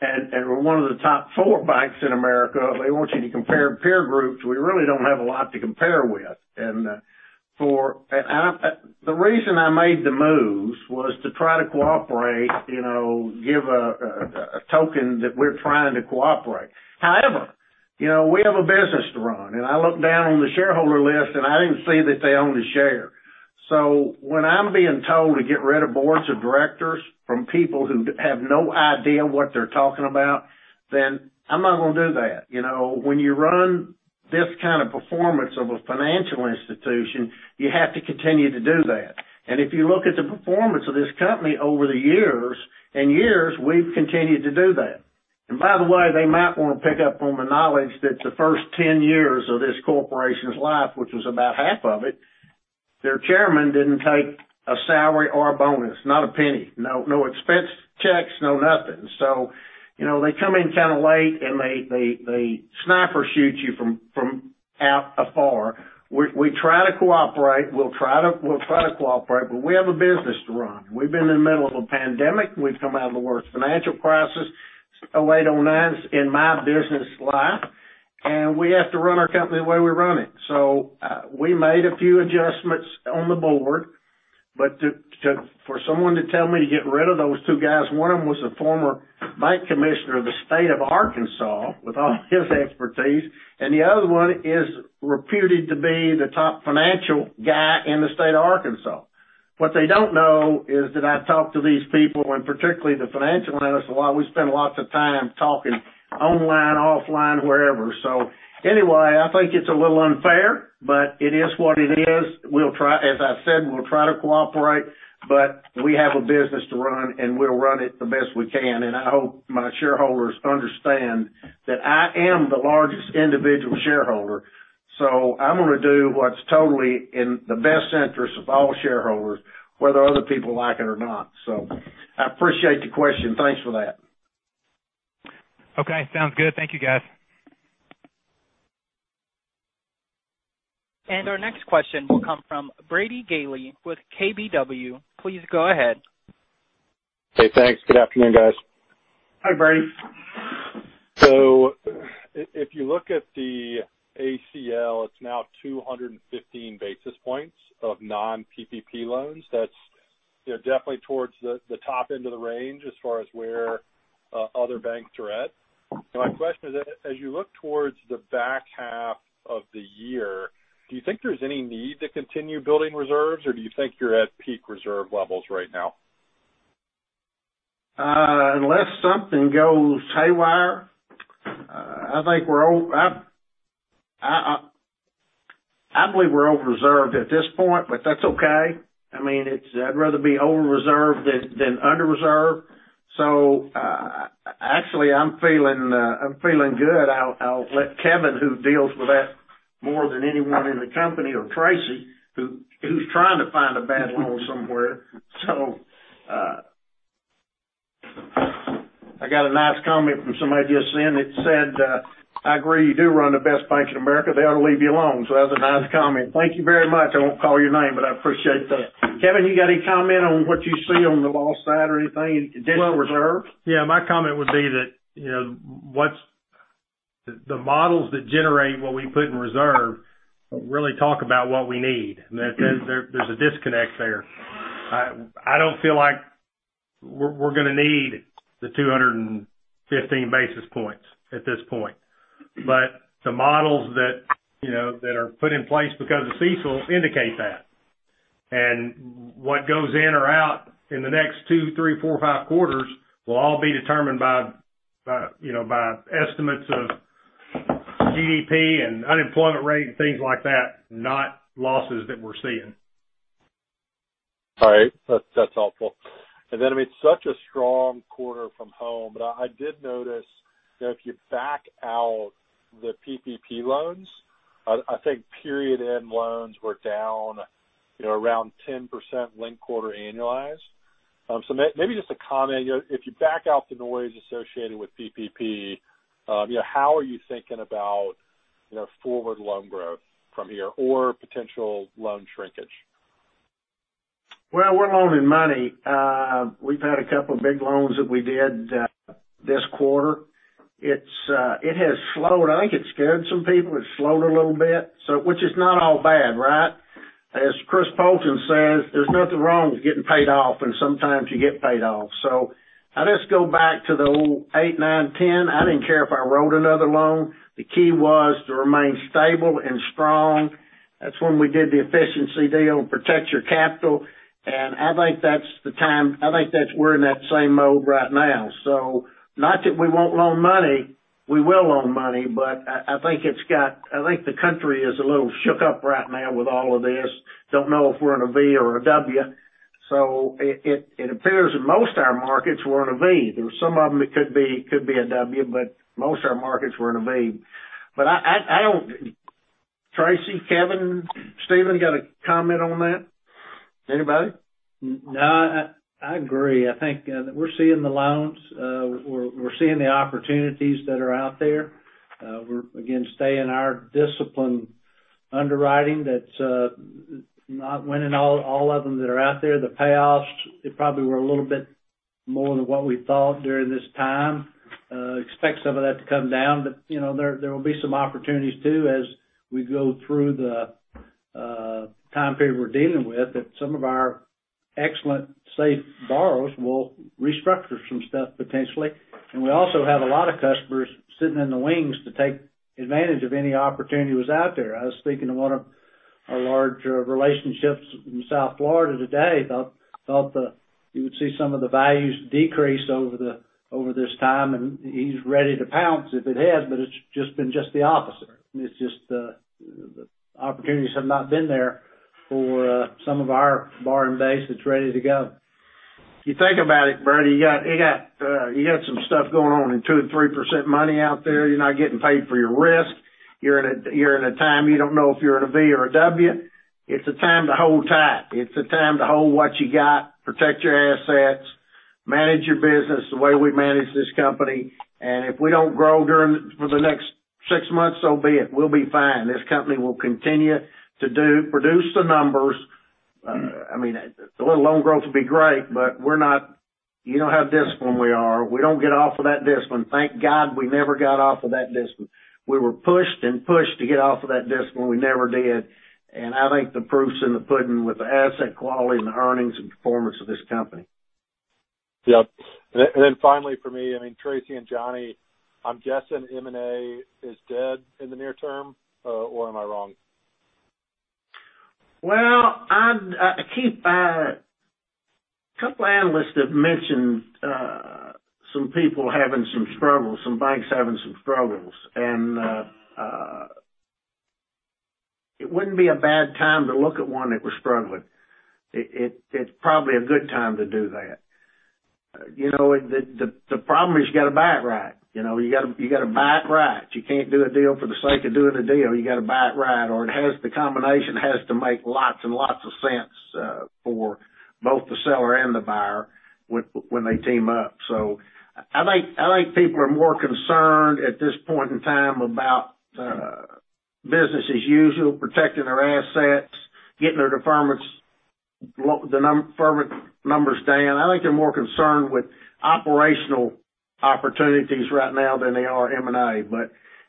and we're one of the top four banks in America, they want you to compare peer groups we really don't have a lot to compare with. The reason I made the moves was to try to cooperate, give a token that we're trying to cooperate. However, we have a business to run, and I looked down on the shareholder list, and I didn't see that they owned a share. When I'm being told to get rid of boards of directors from people who have no idea what they're talking about, then I'm not going to do that. When you run this kind of performance of a financial institution, you have to continue to do that. If you look at the performance of this company over the years and years, we've continued to do that. By the way, they might want to pick up on the knowledge that the first 10 years of this corporation's life, which was about half of it, their chairman didn't take a salary or a bonus, not a penny. No expense checks, no nothing. They come in kind of late, and they sniper shoot you from afar. We'll try to cooperate, but we have a business to run. We've been in the middle of a pandemic. We've come out of the worst financial crisis of 2008, 2009 in my business life, and we have to run our company the way we run it. We made a few adjustments on the board. For someone to tell me to get rid of those two guys, one of them was a former bank commissioner of the state of Arkansas with all his expertise, and the other one is reputed to be the top financial guy in the state of Arkansas. What they don't know is that I talk to these people, and particularly the financial analyst, a lot. We spend lots of time talking online, offline, wherever. Anyway, I think it's a little unfair, but it is what it is. As I said, we'll try to cooperate, but we have a business to run, and we'll run it the best we can. I hope my shareholders understand that I am the largest individual shareholder, so I'm going to do what's totally in the best interest of all shareholders, whether other people like it or not. I appreciate the question. Thanks for that. Okay, sounds good. Thank you, guys. Our next question will come from Brady Gailey with KBW. Please go ahead. Okay, thanks. Good afternoon, guys. Hi, Brady. If you look at the ACL, it's now 215 basis points of non-PPP loans. That's definitely towards the top end of the range as far as where other banks are at. My question is, as you look towards the back half of the year, do you think there's any need to continue building reserves, or do you think you're at peak reserve levels right now? Unless something goes haywire, I believe we're over-reserved at this point. That's okay. I'd rather be over-reserved than under-reserved. Actually, I'm feeling good. I'll let Kevin, who deals with that more than anyone in the company, or Tracy, who's trying to find a bad loan somewhere. I got a nice comment from somebody just in that said, "I agree, you do run the best banks in America. They ought to leave you alone." That was a nice comment. Thank you very much. I won't call your name, but I appreciate that. Kevin, you got any comment on what you see on the loss side or anything, additional reserve? Yeah, my comment would be that the models that generate what we put in reserve don't really talk about what we need. There's a disconnect there. I don't feel like we're going to need the 215 basis points at this point. The models that are put in place because of CECL indicate that. What goes in or out in the next two, three, four, five quarters will all be determined by estimates of GDP and unemployment rate and things like that, not losses that we're seeing. All right. That's helpful. It's such a strong quarter from Home, but I did notice that if you back out the PPP loans, I think period-end loans were down around 10% linked quarter annualized. Maybe just a comment, if you back out the noise associated with PPP, how are you thinking about forward loan growth from here or potential loan shrinkage? Well, we're loaning money. We've had a couple of big loans that we did this quarter. It has slowed. I think it scared some people. It slowed a little bit, which is not all bad, right? As Chris Poulton says, there's nothing wrong with getting paid off, and sometimes you get paid off. I just go back to the old 2008, 2009, 2010. I didn't care if I wrote another loan. The key was to remain stable and strong. That's when we did the efficiency deal, protect your capital, and I think we're in that same mode right now. Not that we won't loan money, we will loan money, but I think the country is a little shook up right now with all of this. Don't know if we're in a V or a W. It appears that most our markets were in a V. There were some of them that could be a W, but most of our markets were in a V. Tracy, Kevin, Stephen got a comment on that? Anybody? No, I agree. I think we're seeing the loans. We're seeing the opportunities that are out there. We're, again, staying our discipline underwriting. That's not winning all of them that are out there. The payoffs, they probably were a little bit more than what we thought during this time. Expect some of that to come down, there will be some opportunities, too, as we go through the time period we're dealing with, that some of our excellent, safe borrowers will restructure some stuff potentially. We also have a lot of customers sitting in the wings to take advantage of any opportunity was out there. I was speaking to one of our larger relationships in South Florida today, thought that you would see some of the values decrease over this time, and he's ready to pounce if it has, but it's just been just the opposite. It's just the opportunities have not been there. For some of our borrowing base that's ready to go. If you think about it, Brady, you got some stuff going on in 2% and 3% money out there. You're not getting paid for your risk. You're in a time, you don't know if you're in a V or a W. It's a time to hold tight. It's a time to hold what you got, protect your assets, manage your business the way we manage this company, and if we don't grow for the next 6 months, so be it. We'll be fine. This company will continue to produce the numbers. A little loan growth would be great, but you know how disciplined we are. We don't get off of that discipline. Thank God we never got off of that discipline. We were pushed and pushed to get off of that discipline. We never did. I think the proof's in the pudding with the asset quality and the earnings and performance of this company. Yep. Finally from me, Tracy and John, I'm guessing M&A is dead in the near term, or am I wrong? Well, a couple analysts have mentioned some banks having some struggles, and it wouldn't be a bad time to look at one that was struggling. It's probably a good time to do that. The problem is you got to buy it right. You can't do a deal for the sake of doing a deal. You got to buy it right, or the combination has to make lots and lots of sense for both the seller and the buyer when they team up. I think people are more concerned at this point in time about business as usual, protecting their assets, getting their deferment numbers down. I think they're more concerned with operational opportunities right now than they are M&A.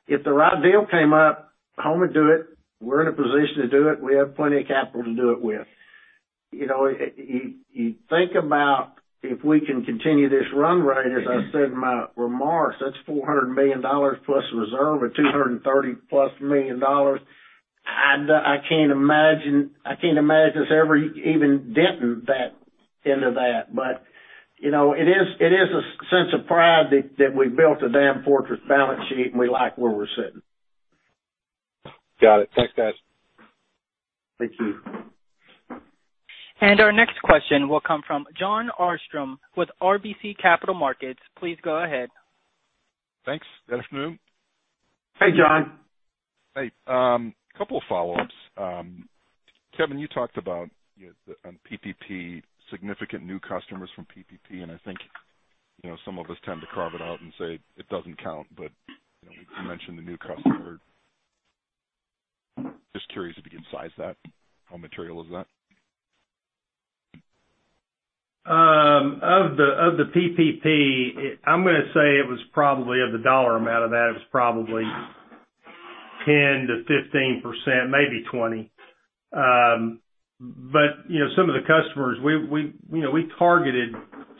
If the right deal came up, Home would do it. We're in a position to do it. We have plenty of capital to do it with. You think about if we can continue this run rate, as I said in my remarks, that's $400 million plus reserve of $230 plus million. I can't imagine us ever even denting into that. It is a sense of pride that we built a damn fortress balance sheet, and we like where we're sitting. Got it. Thanks, guys. Thank you. Our next question will come from Jon Arfstrom with RBC Capital Markets. Please go ahead. Thanks. Good afternoon. Hey, John. Hey. Couple follow-ups. Kevin, you talked about on PPP, significant new customers from PPP, and I think some of us tend to carve it out and say it doesn't count, but you mentioned the new customer. Just curious if you can size that. How material is that? Of the PPP, I'm going to say, of the dollar amount of that, it was probably 10%-15%, maybe 20. Some of the customers, we targeted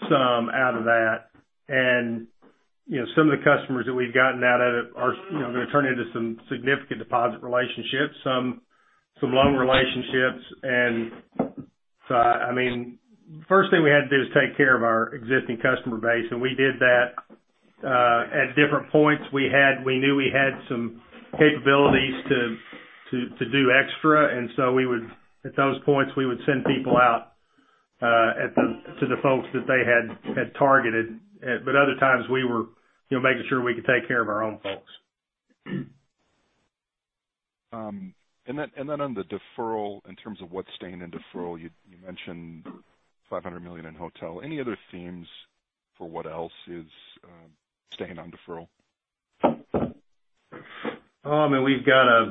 some out of that, and some of the customers that we've gotten out of it are going to turn into some significant deposit relationships, some loan relationships, and so first thing we had to do is take care of our existing customer base, and we did that. At different points, we knew we had some capabilities to do extra, and so at those points, we would send people out to the folks that they had targeted. Other times we were making sure we could take care of our own folks. Then on the deferral, in terms of what's staying in deferral, you mentioned $500 million in hotel. Any other themes for what else is staying on deferral? We've got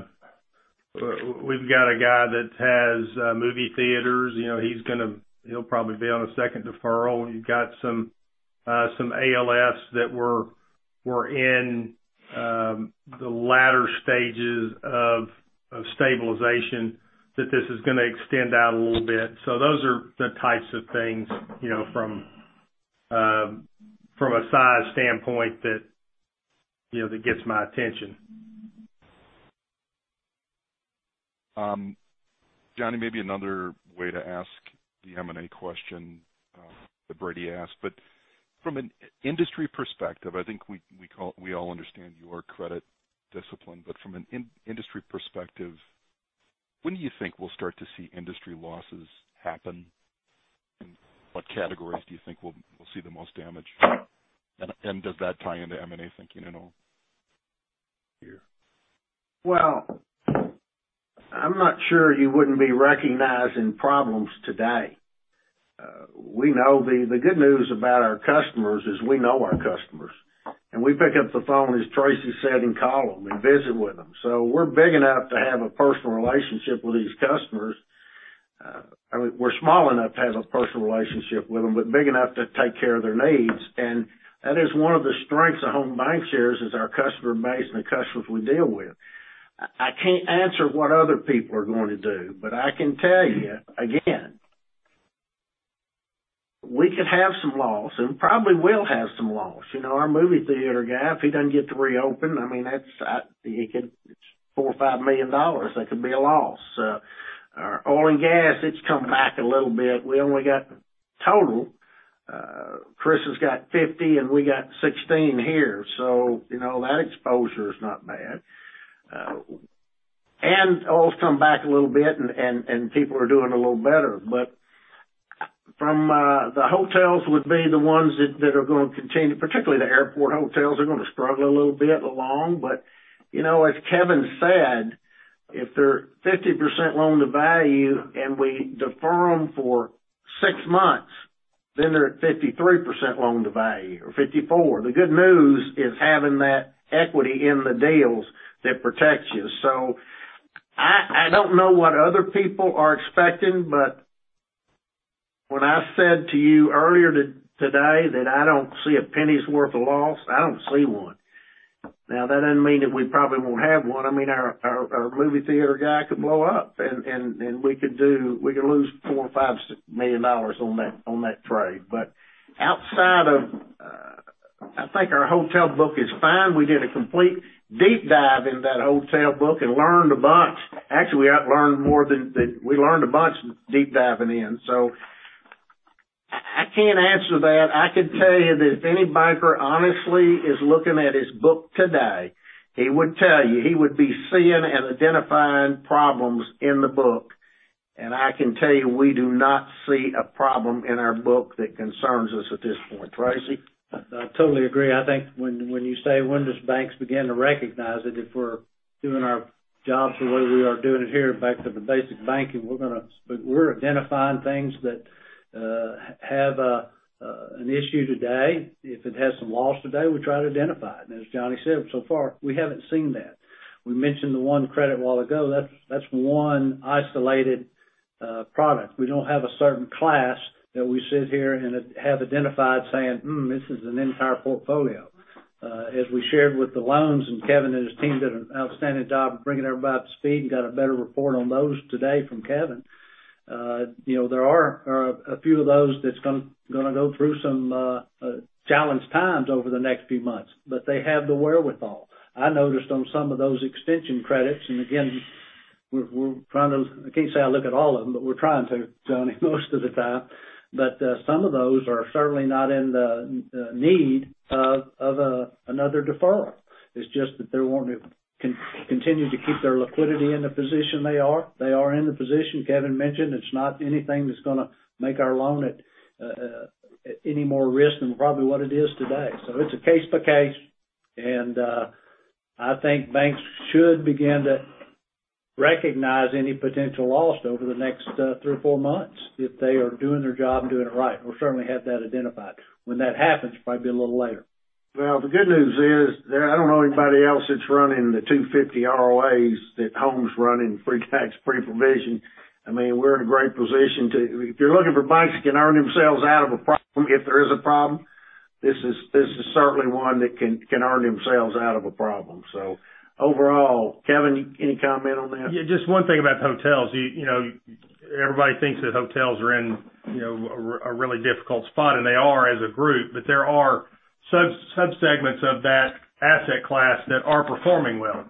a guy that has movie theaters. He'll probably be on a second deferral. You've got some ALFs that were in the latter stages of stabilization that this is going to extend out a little bit. Those are the types of things from a size standpoint that gets my attention. Johnny, maybe another way to ask the M&A question that Brady asked, but from an industry perspective, I think we all understand your credit discipline, but from an industry perspective, when do you think we'll start to see industry losses happen? In what categories do you think we'll see the most damage? Does that tie into M&A thinking at all here? I'm not sure you wouldn't be recognizing problems today. The good news about our customers is we know our customers, and we pick up the phone, as Tracy said, and call them and visit with them. We're big enough to have a personal relationship with these customers. We're small enough to have a personal relationship with them, but big enough to take care of their needs, and that is one of the strengths of Home Bancshares is our customer base and the customers we deal with. I can't answer what other people are going to do, but I can tell you, again, we could have some loss and probably will have some loss. Our movie theater guy, if he doesn't get to reopen, it's $4 million or $5 million. That could be a loss. Our oil and gas, it's come back a little bit. We only got total Chris has got 50, and we got 16 here. That exposure is not bad. Oils come back a little bit, and people are doing a little better. The hotels would be the ones that are going to continue, particularly the airport hotels, are going to struggle a little bit along. As Kevin said, if they're 50% loan to value and we defer them for six months, then they're at 53% loan to value or 54. The good news is having that equity in the deals that protects you. I don't know what other people are expecting, but when I said to you earlier today that I don't see a penny's worth of loss, I don't see one. Now, that doesn't mean that we probably won't have one. Our movie theater guy could blow up, and we could lose $4 million or $5 million on that trade. Outside of I think our hotel book is fine. We did a complete deep dive in that hotel book and learned a bunch. Actually, we learned a bunch deep diving in. I can't answer that. I could tell you that if any banker honestly is looking at his book today, he would tell you, he would be seeing and identifying problems in the book. I can tell you, we do not see a problem in our book that concerns us at this point. Tracy? I totally agree. I think when you say, when does banks begin to recognize it, if we're doing our jobs the way we are doing it here, back to the basic banking, we're identifying things that have an issue today. If it has some loss today, we try to identify it. As John said, so far, we haven't seen that. We mentioned the one credit a while ago. That's one isolated product. We don't have a certain class that we sit here and have identified saying, "Hmm, this is an entire portfolio." As we shared with the loans, Kevin and his team did an outstanding job of bringing everybody up to speed and got a better report on those today from Kevin. There are a few of those that's going to go through some challenged times over the next few months, but they have the wherewithal. I noticed on some of those extension credits, and again, I can't say I look at all of them, but we're trying to, John, most of the time. Some of those are certainly not in the need of another deferral. It's just that they're wanting to continue to keep their liquidity in the position they are. They are in the position Kevin mentioned. It's not anything that's going to make our loan at any more risk than probably what it is today. It's a case by case, and I think banks should begin to recognize any potential loss over the next three or four months if they are doing their job and doing it right. We'll certainly have that identified. When that happens, it'll probably be a little later. The good news is that I don't know anybody else that's running the 250 ROAs that Home's run in pre-tax, pre-provision. If you're looking for banks that can earn themselves out of a problem, if there is a problem, this is certainly one that can earn themselves out of a problem. Overall, Kevin, any comment on that? Yeah, just one thing about hotels. Everybody thinks that hotels are in a really difficult spot, and they are as a group, but there are sub-segments of that asset class that are performing well.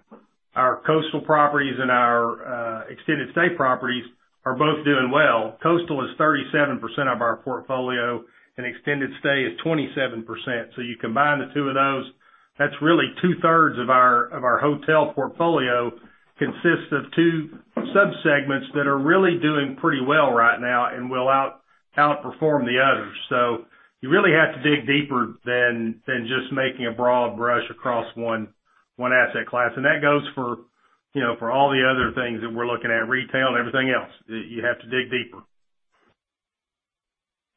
Our coastal properties and our extended stay properties are both doing well. Coastal is 37% of our portfolio, and extended stay is 27%. You combine the two of those, that's really two-thirds of our hotel portfolio consists of two sub-segments that are really doing pretty well right now and will outperform the others. You really have to dig deeper than just making a broad brush across one asset class. That goes for all the other things that we're looking at, retail and everything else. You have to dig deeper.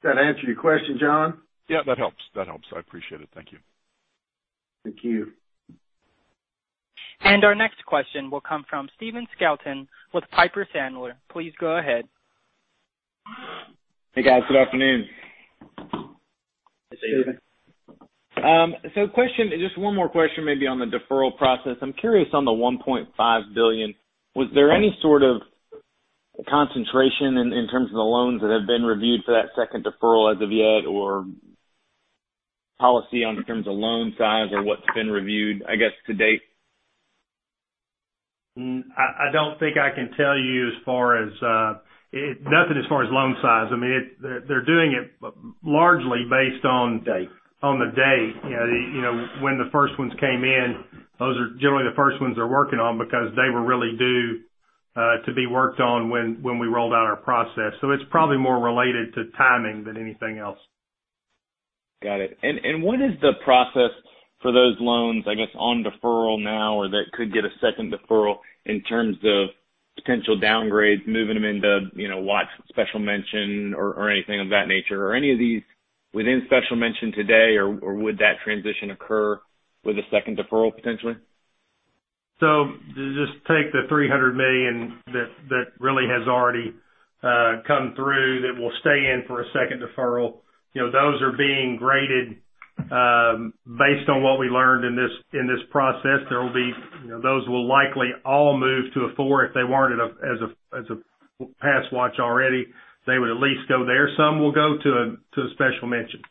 Does that answer your question, John? Yeah, that helps. I appreciate it. Thank you. Thank you. Our next question will come from Stephen Scouten with Piper Sandler. Please go ahead. Hey, guys. Good afternoon. Hey, Stephen. Question, just one more question maybe on the deferral process. I'm curious on the $1.5 billion. Was there any sort of concentration in terms of the loans that have been reviewed for that second deferral as of yet, or policy on the terms of loan size or what's been reviewed, I guess, to date? I don't think I can tell you as far as Nothing as far as loan size. They're doing it largely based on. Date on the date. When the first ones came in, those are generally the first ones they're working on because they were really due to be worked on when we rolled out our process. It's probably more related to timing than anything else. Got it. What is the process for those loans, I guess, on deferral now, or that could get a second deferral in terms of potential downgrades, moving them into watch, Special Mention, or anything of that nature? Are any of these within Special Mention today, or would that transition occur with a second deferral potentially? Just take the $300 million that really has already come through that will stay in for a second deferral. Those are being graded based on what we learned in this process. Those will likely all move to a 4. If they weren't enough as a passed watch already, they would at least go there. Some will go to a special mention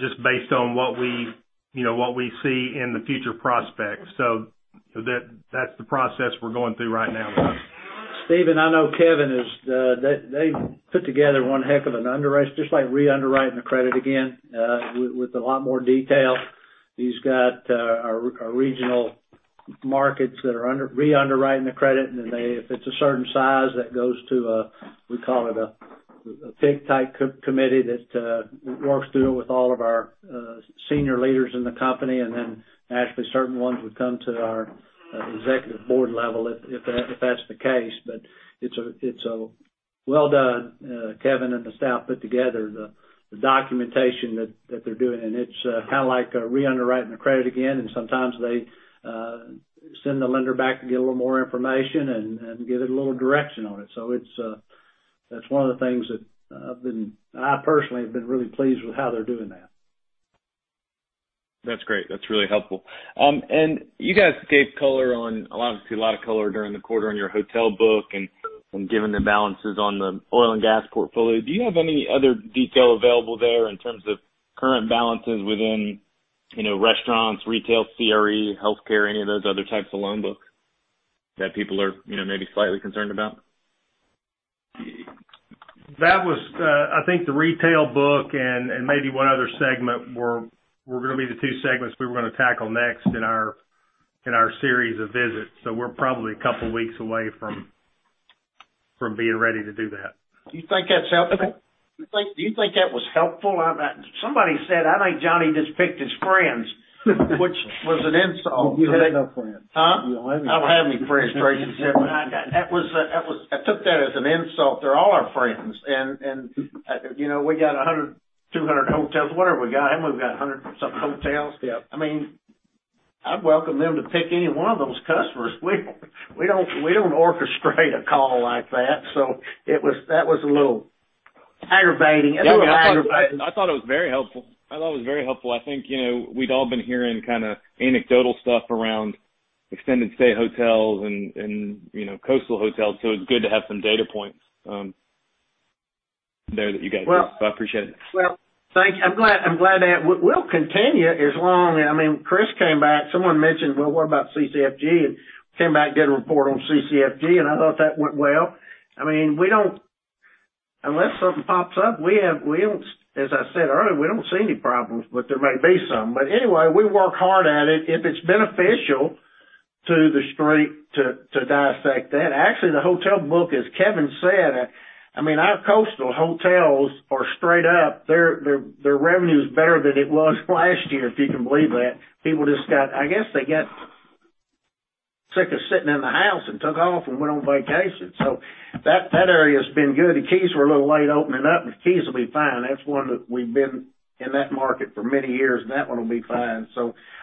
just based on what we see in the future prospects. That's the process we're going through right now, John. Stephen, I know Kevin, they put together one heck of an underwrite, just like re-underwriting the credit again, with a lot more detail. He's got our regional markets that are re-underwriting the credit, and then if it's a certain size, that goes to a, we call it, a PIC-type committee that works through it with all of our senior leaders in the company, and then naturally, certain ones would come to our executive board level if that's the case. It's well done. Kevin and the staff put together the documentation that they're doing, and it's kind of like re-underwriting the credit again, and sometimes they send the lender back to get a little more information and give it a little direction on it. That's one of the things that I personally have been really pleased with how they're doing that. That's great. That's really helpful. You guys gave color on, obviously, a lot of color during the quarter on your hotel book and giving the balances on the oil and gas portfolio. Do you have any other detail available there in terms of current balances within restaurants, retail, CRE, healthcare, any of those other types of loan books that people are maybe slightly concerned about? I think the retail book and maybe one other segment were going to be the two segments we were going to tackle next in our series of visits. We're probably a couple of weeks away from being ready to do that. Do you think that's helpful? Okay. Do you think that was helpful? Somebody said, "I think Johnny just picked his friends," which was an insult. You have no friends. Huh? You don't have any. I don't have any friends, Tracy said. I took that as an insult. They're all our friends. We got 100, 200 hotels, whatever we got. Haven't we got 100 and something hotels? Yep. I'd welcome them to pick any one of those customers. We don't orchestrate a call like that. That was a little aggravating. It wasn't aggravating. No, I thought it was very helpful. I think we'd all been hearing kind of anecdotal stuff around extended stay hotels and coastal hotels, so it's good to have some data points there that you guys give. Well- I appreciate it. Well, thank you. I'm glad. We'll continue as long Chris came back. Someone mentioned, "Well, what about CCFG?" Came back, did a report on CCFG, and I thought that went well. Unless something pops up, as I said earlier, we don't see any problems, but there may be some. Anyway, we work hard at it. If it's beneficial to the street to dissect that. Actually, the hotel book, as Kevin said, our coastal hotels are straight up. Their revenue's better than it was last year, if you can believe that. People just got, I guess, they got sick of sitting in the house and took off and went on vacation. That area's been good. The Keys were a little late opening up. The Keys will be fine. That's one that we've been in that market for many years, and that one will be fine.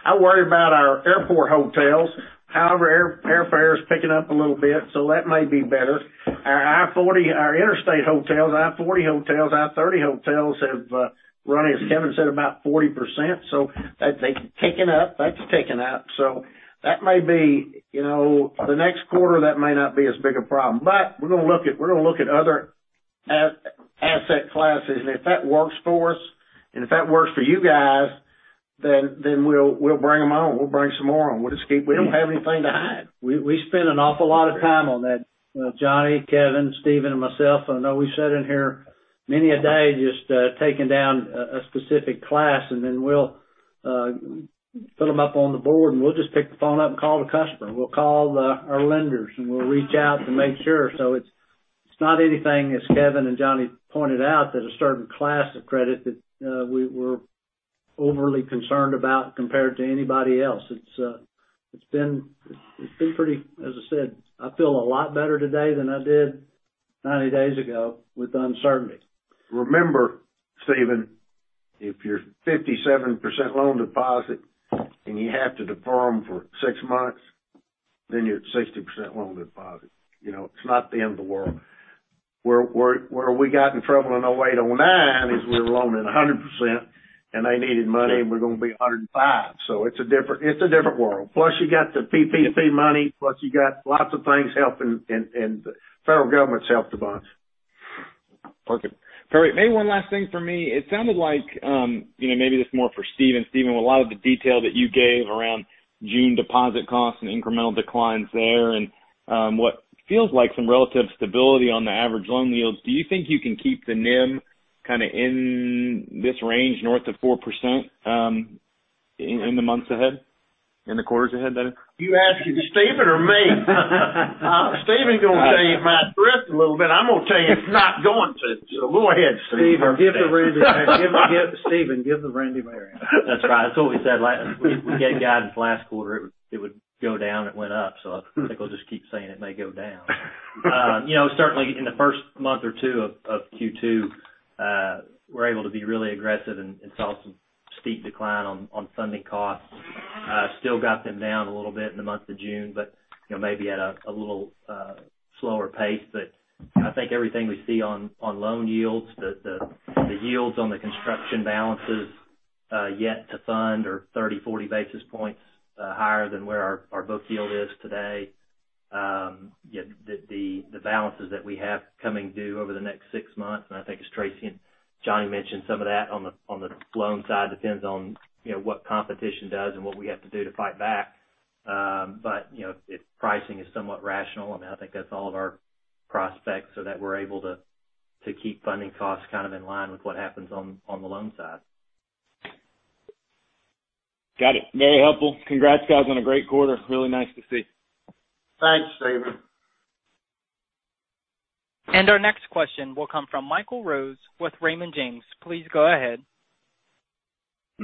I worry about our airport hotels. However, airfare is picking up a little bit, so that may be better. Our I-40, our interstate hotels, I-40 hotels, I-30 hotels have run, as Kevin said, about 40%, so they've taken up. That's taken up. That may be, the next quarter, that may not be as big a problem. We're going to look at other asset classes. If that works for us, and if that works for you guys, then we'll bring them on. We'll bring some more on. We don't have anything to hide. We spend an awful lot of time on that, Johnny, Kevin, Stephen, and myself. I know we sat in here many a day just taking down a specific class. We'll fill them up on the board, we'll just pick the phone up and call the customer. We'll call our lenders, we'll reach out to make sure. It's not anything, as Kevin and Johnny pointed out, that a certain class of credit that we're overly concerned about compared to anybody else. As I said, I feel a lot better today than I did 90 days ago with uncertainty. Remember, Stephen, if you're 57% loan deposit and you have to defer them for 6 months, then you're at 60% loan deposit. It's not the end of the world. Where we got in trouble in 2008, 2009 is we were loaning 100%, and they needed money, and we're going to be 105. It's a different world. You got the PPP money, you got lots of things helping, and the federal government's helped a bunch. Perfect. All right. Maybe one last thing for me. It sounded like, maybe this is more for Stephen. Stephen, with a lot of the detail that you gave around June deposit costs and incremental declines there and what feels like some relative stability on the average loan yields, do you think you can keep the NIM kind of in this range north of 4% in the months ahead, in the quarters ahead, that is? You asking Stephen or me? Stephen's going to tell you it might drift a little bit. I'm going to tell you it's not going to. Go ahead, Stephen. Stephen, give the Randy Mayor. That's right. That's what we said we gave guidance last quarter, it would go down, it went up. I think we'll just keep saying it may go down. Certainly, in the first month or two of Q2, we're able to be really aggressive and saw some steep decline on funding costs. Still got them down a little bit in the month of June, maybe at a little slower pace. I think everything we see on loan yields, the yields on the construction balances yet to fund are 30, 40 basis points higher than where our book yield is today. Yet the balances that we have coming due over the next six months, I think it's Tracy and Johnny mentioned some of that on the loan side, depends on what competition does and what we have to do to fight back. If pricing is somewhat rational, I think that's all of our prospects, so that we're able to keep funding costs in line with what happens on the loan side. Got it. Very helpful. Congrats, guys, on a great quarter. Really nice to see. Thanks, Stephen. Our next question will come from Michael Rose with Raymond James. Please go ahead.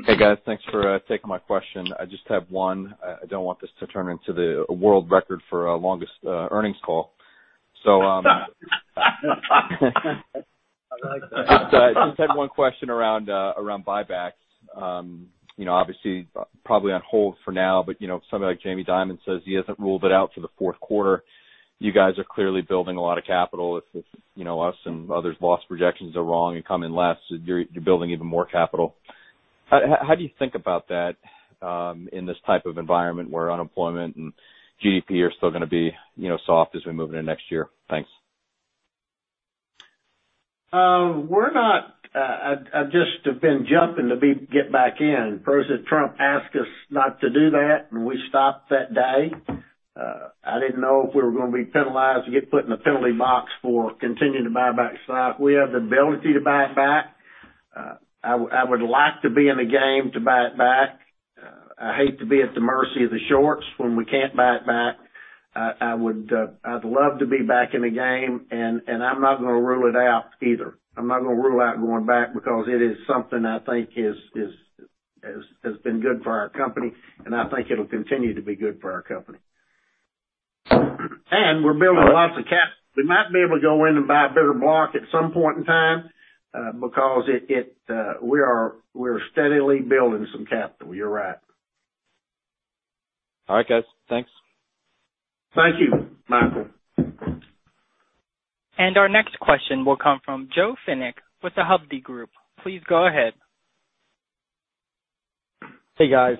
Hey, guys. Thanks for taking my question. I just have one. I don't want this to turn into the world record for longest earnings call. I like that. I just had one question around buybacks. Obviously, probably on hold for now, but somebody like Jamie Dimon says he hasn't ruled it out for the fourth quarter. You guys are clearly building a lot of capital. If us and others' loss projections are wrong and come in less, you're building even more capital. How do you think about that in this type of environment where unemployment and GDP are still going to be soft as we move into next year? Thanks. I just have been jumping to get back in. President Trump asked us not to do that. We stopped that day. I didn't know if we were going to be penalized or get put in the penalty box for continuing to buy back stock. We have the ability to buy it back. I would like to be in the game to buy it back. I hate to be at the mercy of the shorts when we can't buy it back. I'd love to be back in the game. I'm not going to rule it out either. I'm not going to rule out going back because it is something I think has been good for our company. I think it'll continue to be good for our company. We're building lots of capital. We might be able to go in and buy a bigger block at some point in time because we're steadily building some capital. You're right. All right, guys. Thanks. Thank you, Michael. Our next question will come from Joe Fenech with The Hovde Group. Please go ahead. Hey, guys.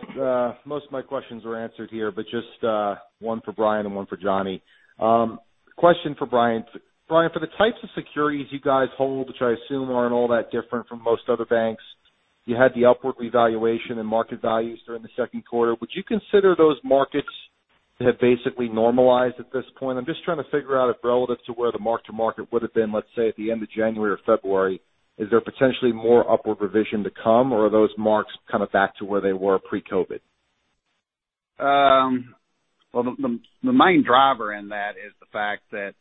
Most of my questions were answered here, but just one for Brian and one for John. Question for Brian. Brian, for the types of securities you guys hold, which I assume aren't all that different from most other banks, you had the upward revaluation in market values during the second quarter. Would you consider those markets to have basically normalized at this point? I'm just trying to figure out if relative to where the mark-to-market would've been, let's say, at the end of January or February, is there potentially more upward revision to come, or are those marks kind of back to where they were pre-COVID? Well, the main driver in that is the fact that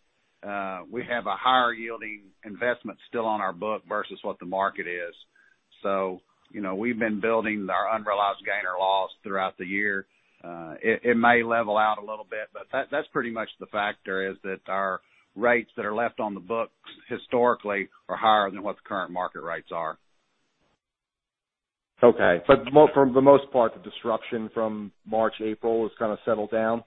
we have a higher yielding investment still on our book versus what the market is. We've been building our unrealized gain or loss throughout the year. It may level out a little bit. That's pretty much the factor is that our rates that are left on the books historically are higher than what the current market rates are. Okay. For the most part, the disruption from March, April has kind of settled down?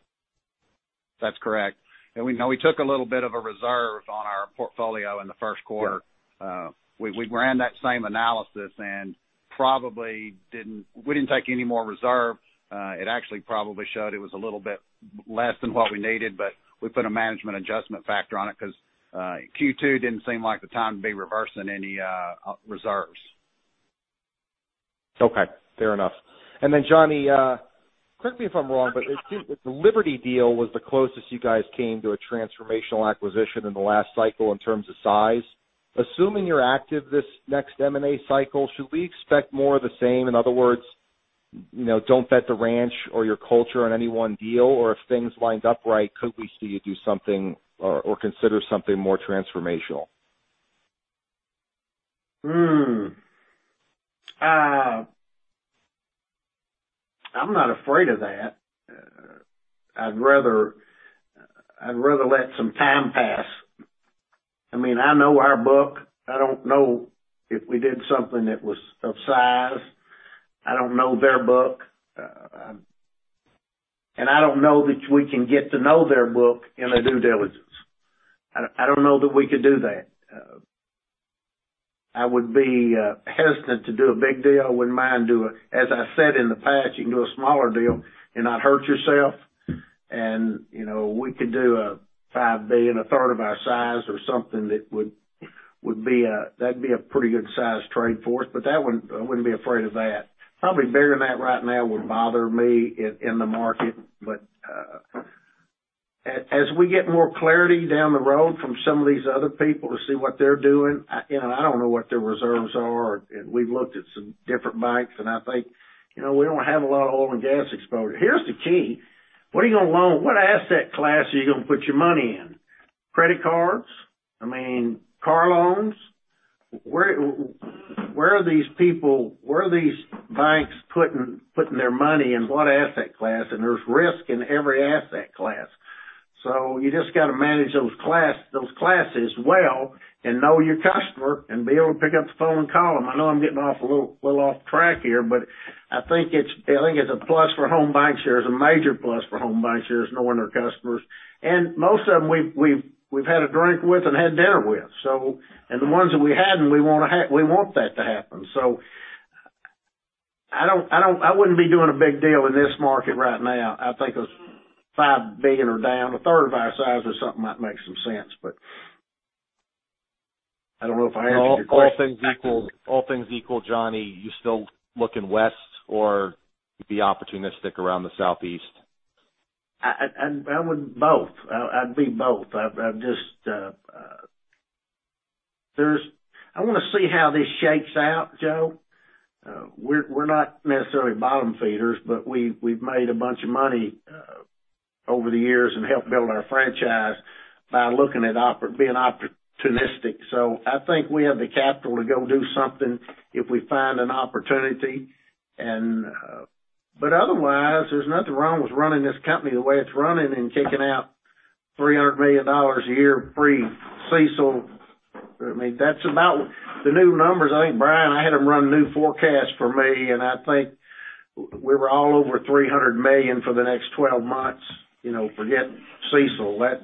That's correct. We took a little bit of a reserve on our portfolio in the first quarter. Yeah. We ran that same analysis, we didn't take any more reserve. It actually probably showed it was a little bit less than what we needed, we put a management adjustment factor on it because Q2 didn't seem like the time to be reversing any reserves. Okay. Fair enough. John, correct me if I'm wrong, but it seemed that the Liberty deal was the closest you guys came to a transformational acquisition in the last cycle in terms of size. Assuming you're active this next M&A cycle, should we expect more of the same? In other words, don't bet the ranch or your culture on any one deal, or if things lined up right, could we see you do something or consider something more transformational? I'm not afraid of that. I'd rather let some time pass. I know our book. I don't know if we did something that was of size. I don't know their book. I don't know that we can get to know their book in a due diligence. I don't know that we could do that. I would be hesitant to do a big deal. I wouldn't mind doing, as I said in the past, you can do a smaller deal and not hurt yourself. We could do a $5 billion, a third of our size or something, that'd be a pretty good size trade for us. I wouldn't be afraid of that. Probably bigger than that right now would bother me in the market. As we get more clarity down the road from some of these other people to see what they're doing, I don't know what their reserves are. We've looked at some different banks, and I think we don't have a lot of oil and gas exposure. Here's the key. What are you going to loan? What asset class are you going to put your money in? Credit cards? Car loans? Where are these banks putting their money and what asset class? There's risk in every asset class. You just got to manage those classes well and know your customer and be able to pick up the phone and call them. I know I'm getting a little off track here, but I think it's a plus for Home Bancshares, a major plus for Home Bancshares, knowing their customers. Most of them, we've had a drink with and had dinner with. The ones that we haven't, we want that to happen. I wouldn't be doing a big deal in this market right now. I think a $5 billion or down a third of our size or something might make some sense. I don't know if I answered your question. All things equal, John, you still looking west or be opportunistic around the southeast? I would both. I'd be both. I want to see how this shakes out, Joe. We're not necessarily bottom-feeders, but we've made a bunch of money over the years and helped build our franchise by being opportunistic. I think we have the capital to go do something if we find an opportunity. Otherwise, there's nothing wrong with running this company the way it's running and kicking out $300 million a year pre-CECL. The new numbers, I think, Brian, I had him run new forecasts for me, and I think we were all over $300 million for the next 12 months. Forget CECL.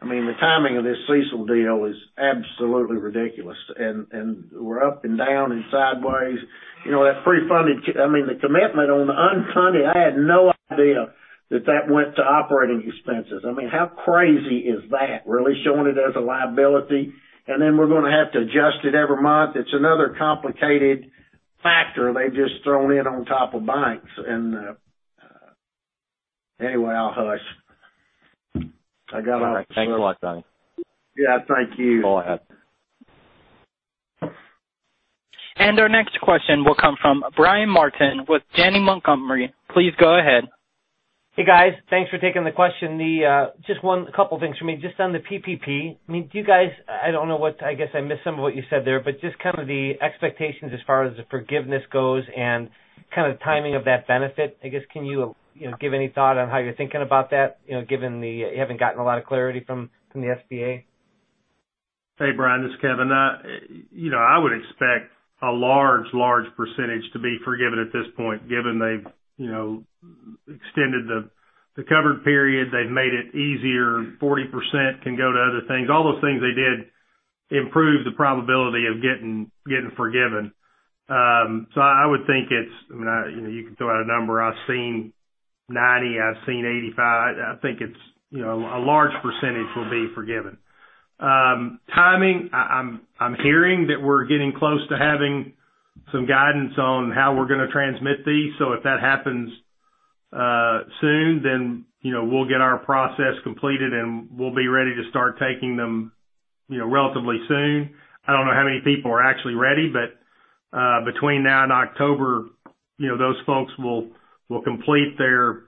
The timing of this CECL deal is absolutely ridiculous, and we're up and down and sideways. The commitment on the unfunded, I had no idea that that went to operating expenses. How crazy is that, really? Showing it as a liability. Then we're going to have to adjust it every month. It's another complicated factor they've just thrown in on top of banks. I'll hush. All right. Thanks a lot, Johnny. Yeah, thank you. Go ahead. Our next question will come from Brian Martin with Janney Montgomery. Please go ahead. Hey, guys. Thanks for taking the question. Just one couple things for me, just on the PPP. I guess I missed some of what you said there, just the expectations as far as the forgiveness goes and timing of that benefit. Can you give any thought on how you're thinking about that, given you haven't gotten a lot of clarity from the SBA? Hey, Brian, this is Kevin. I would expect a large percentage to be forgiven at this point, given they've extended the covered period. They've made it easier. 40% can go to other things. All those things they did improve the probability of getting forgiven. I would think you can throw out a number. I've seen 90, I've seen 85. I think a large percentage will be forgiven. Timing, I'm hearing that we're getting close to having some guidance on how we're going to transmit these. If that happens soon, then we'll get our process completed, and we'll be ready to start taking them relatively soon. I don't know how many people are actually ready, but between now and October, those folks will complete their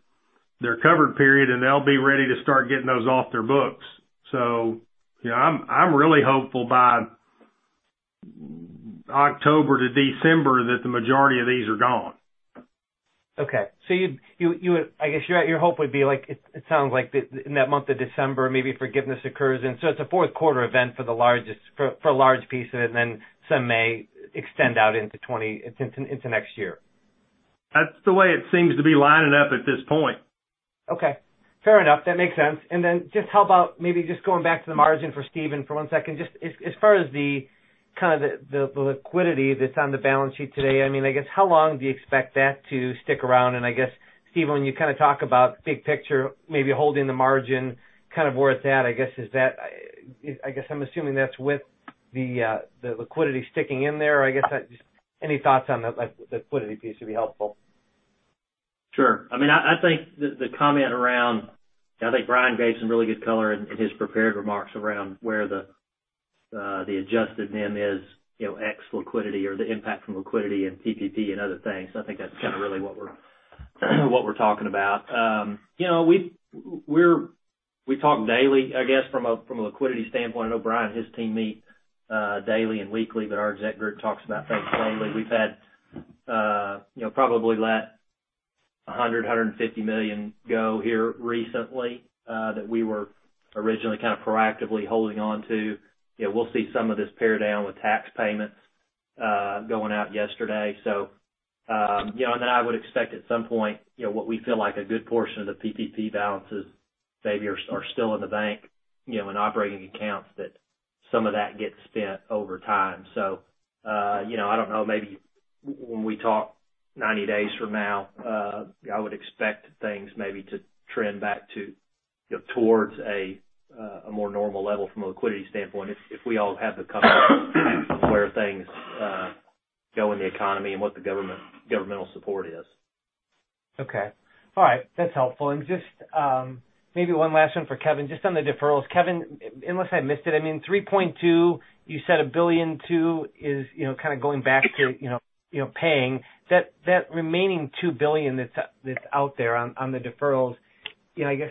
covered period, and they'll be ready to start getting those off their books. I'm really hopeful by October to December that the majority of these are gone. Okay. I guess your hope would be, it sounds like in that month of December, maybe forgiveness occurs. It's a fourth quarter event for a large piece of it, and then some may extend out into next year. That's the way it seems to be lining up at this point. Okay. Fair enough. That makes sense. Just how about maybe just going back to the margin for Stephen for one second. Just as far as the liquidity that's on the balance sheet today, how long do you expect that to stick around? I guess, Stephen, when you talk about big picture, maybe holding the margin worth that, I guess I'm assuming that's with the liquidity sticking in there. Any thoughts on that liquidity piece would be helpful. Sure. I think Brian gave some really good color in his prepared remarks around where the adjusted NIM is, ex liquidity or the impact from liquidity and PPP and other things. I think that's kind of really what we're talking about. We talk daily, I guess, from a liquidity standpoint. I know Brian and his team meet daily and weekly, but our exec group talks about things daily. We've had probably let $100 million, $150 million go here recently that we were originally kind of proactively holding on to. We'll see some of this pare down with tax payments going out yesterday. I would expect at some point, what we feel like a good portion of the PPP balances maybe are still in the bank in operating accounts that some of that gets spent over time. I don't know, maybe when we talk 90 days from now, I would expect things maybe to trend back towards a more normal level from a liquidity standpoint if we all have the comfort where things go in the economy and what the governmental support is. Okay. All right. That's helpful. Just maybe one last one for Kevin, just on the deferrals. Kevin, unless I missed it, $3.2 billion, you said $1.2 billion is kind of going back to paying. That remaining $2 billion that's out there on the deferrals, maybe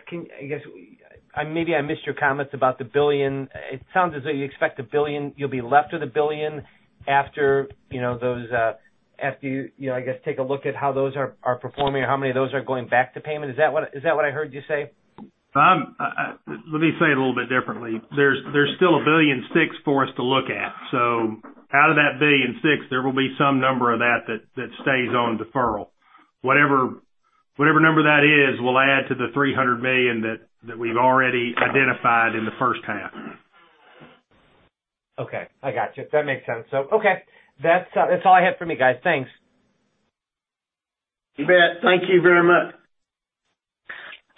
I missed your comments about the $1 billion. It sounds as though you'll be left with $1 billion after you take a look at how those are performing or how many of those are going back to payment. Is that what I heard you say? Let me say it a little bit differently. There's still $1.6 billion for us to look at. Out of that $1.6 billion, there will be some number of that that stays on deferral. Whatever number that is will add to the $300 million that we've already identified in the first half. Okay. I gotcha. That makes sense. Okay. That's all I had for me, guys. Thanks. You bet. Thank you very much.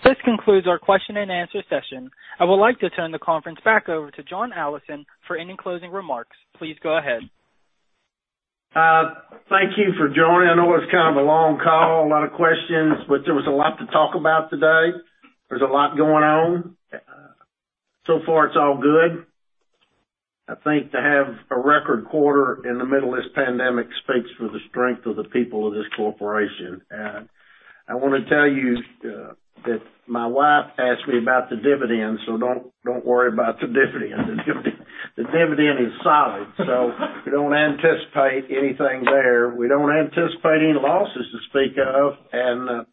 This concludes our question and answer session. I would like to turn the conference back over to John Allison for any closing remarks. Please go ahead. Thank you for joining. I know it's kind of a long call, a lot of questions. There was a lot to talk about today. There's a lot going on. So far, it's all good. I think to have a record quarter in the middle of this pandemic speaks for the strength of the people of this corporation. I want to tell you that my wife asked me about the dividend, so don't worry about the dividend. The dividend is solid, so we don't anticipate anything there. We don't anticipate any losses to speak of.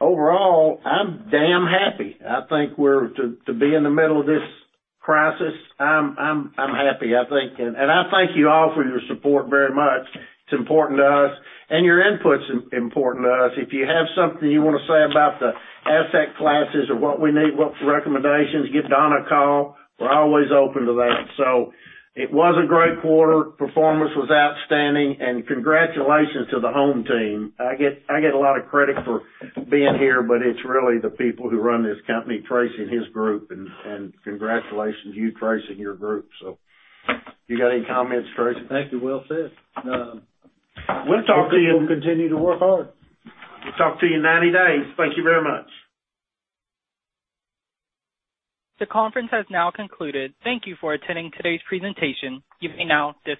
Overall, I'm damn happy. To be in the middle of this crisis, I'm happy, I think. I thank you all for your support very much. It's important to us, and your input's important to us. If you have something you want to say about the asset classes or what we need, what recommendations, give Donna a call. We're always open to that. It was a great quarter. Performance was outstanding, and congratulations to the home team. I get a lot of credit for being here, but it's really the people who run this company, Tracy and his group, and congratulations to you, Tracy, and your group. You got any comments, Tracy? Thank you. Well said. We'll talk to you. We'll continue to work hard. We'll talk to you in 90 days. Thank you very much. The conference has now concluded. Thank you for attending today's presentation. You may now disconnect.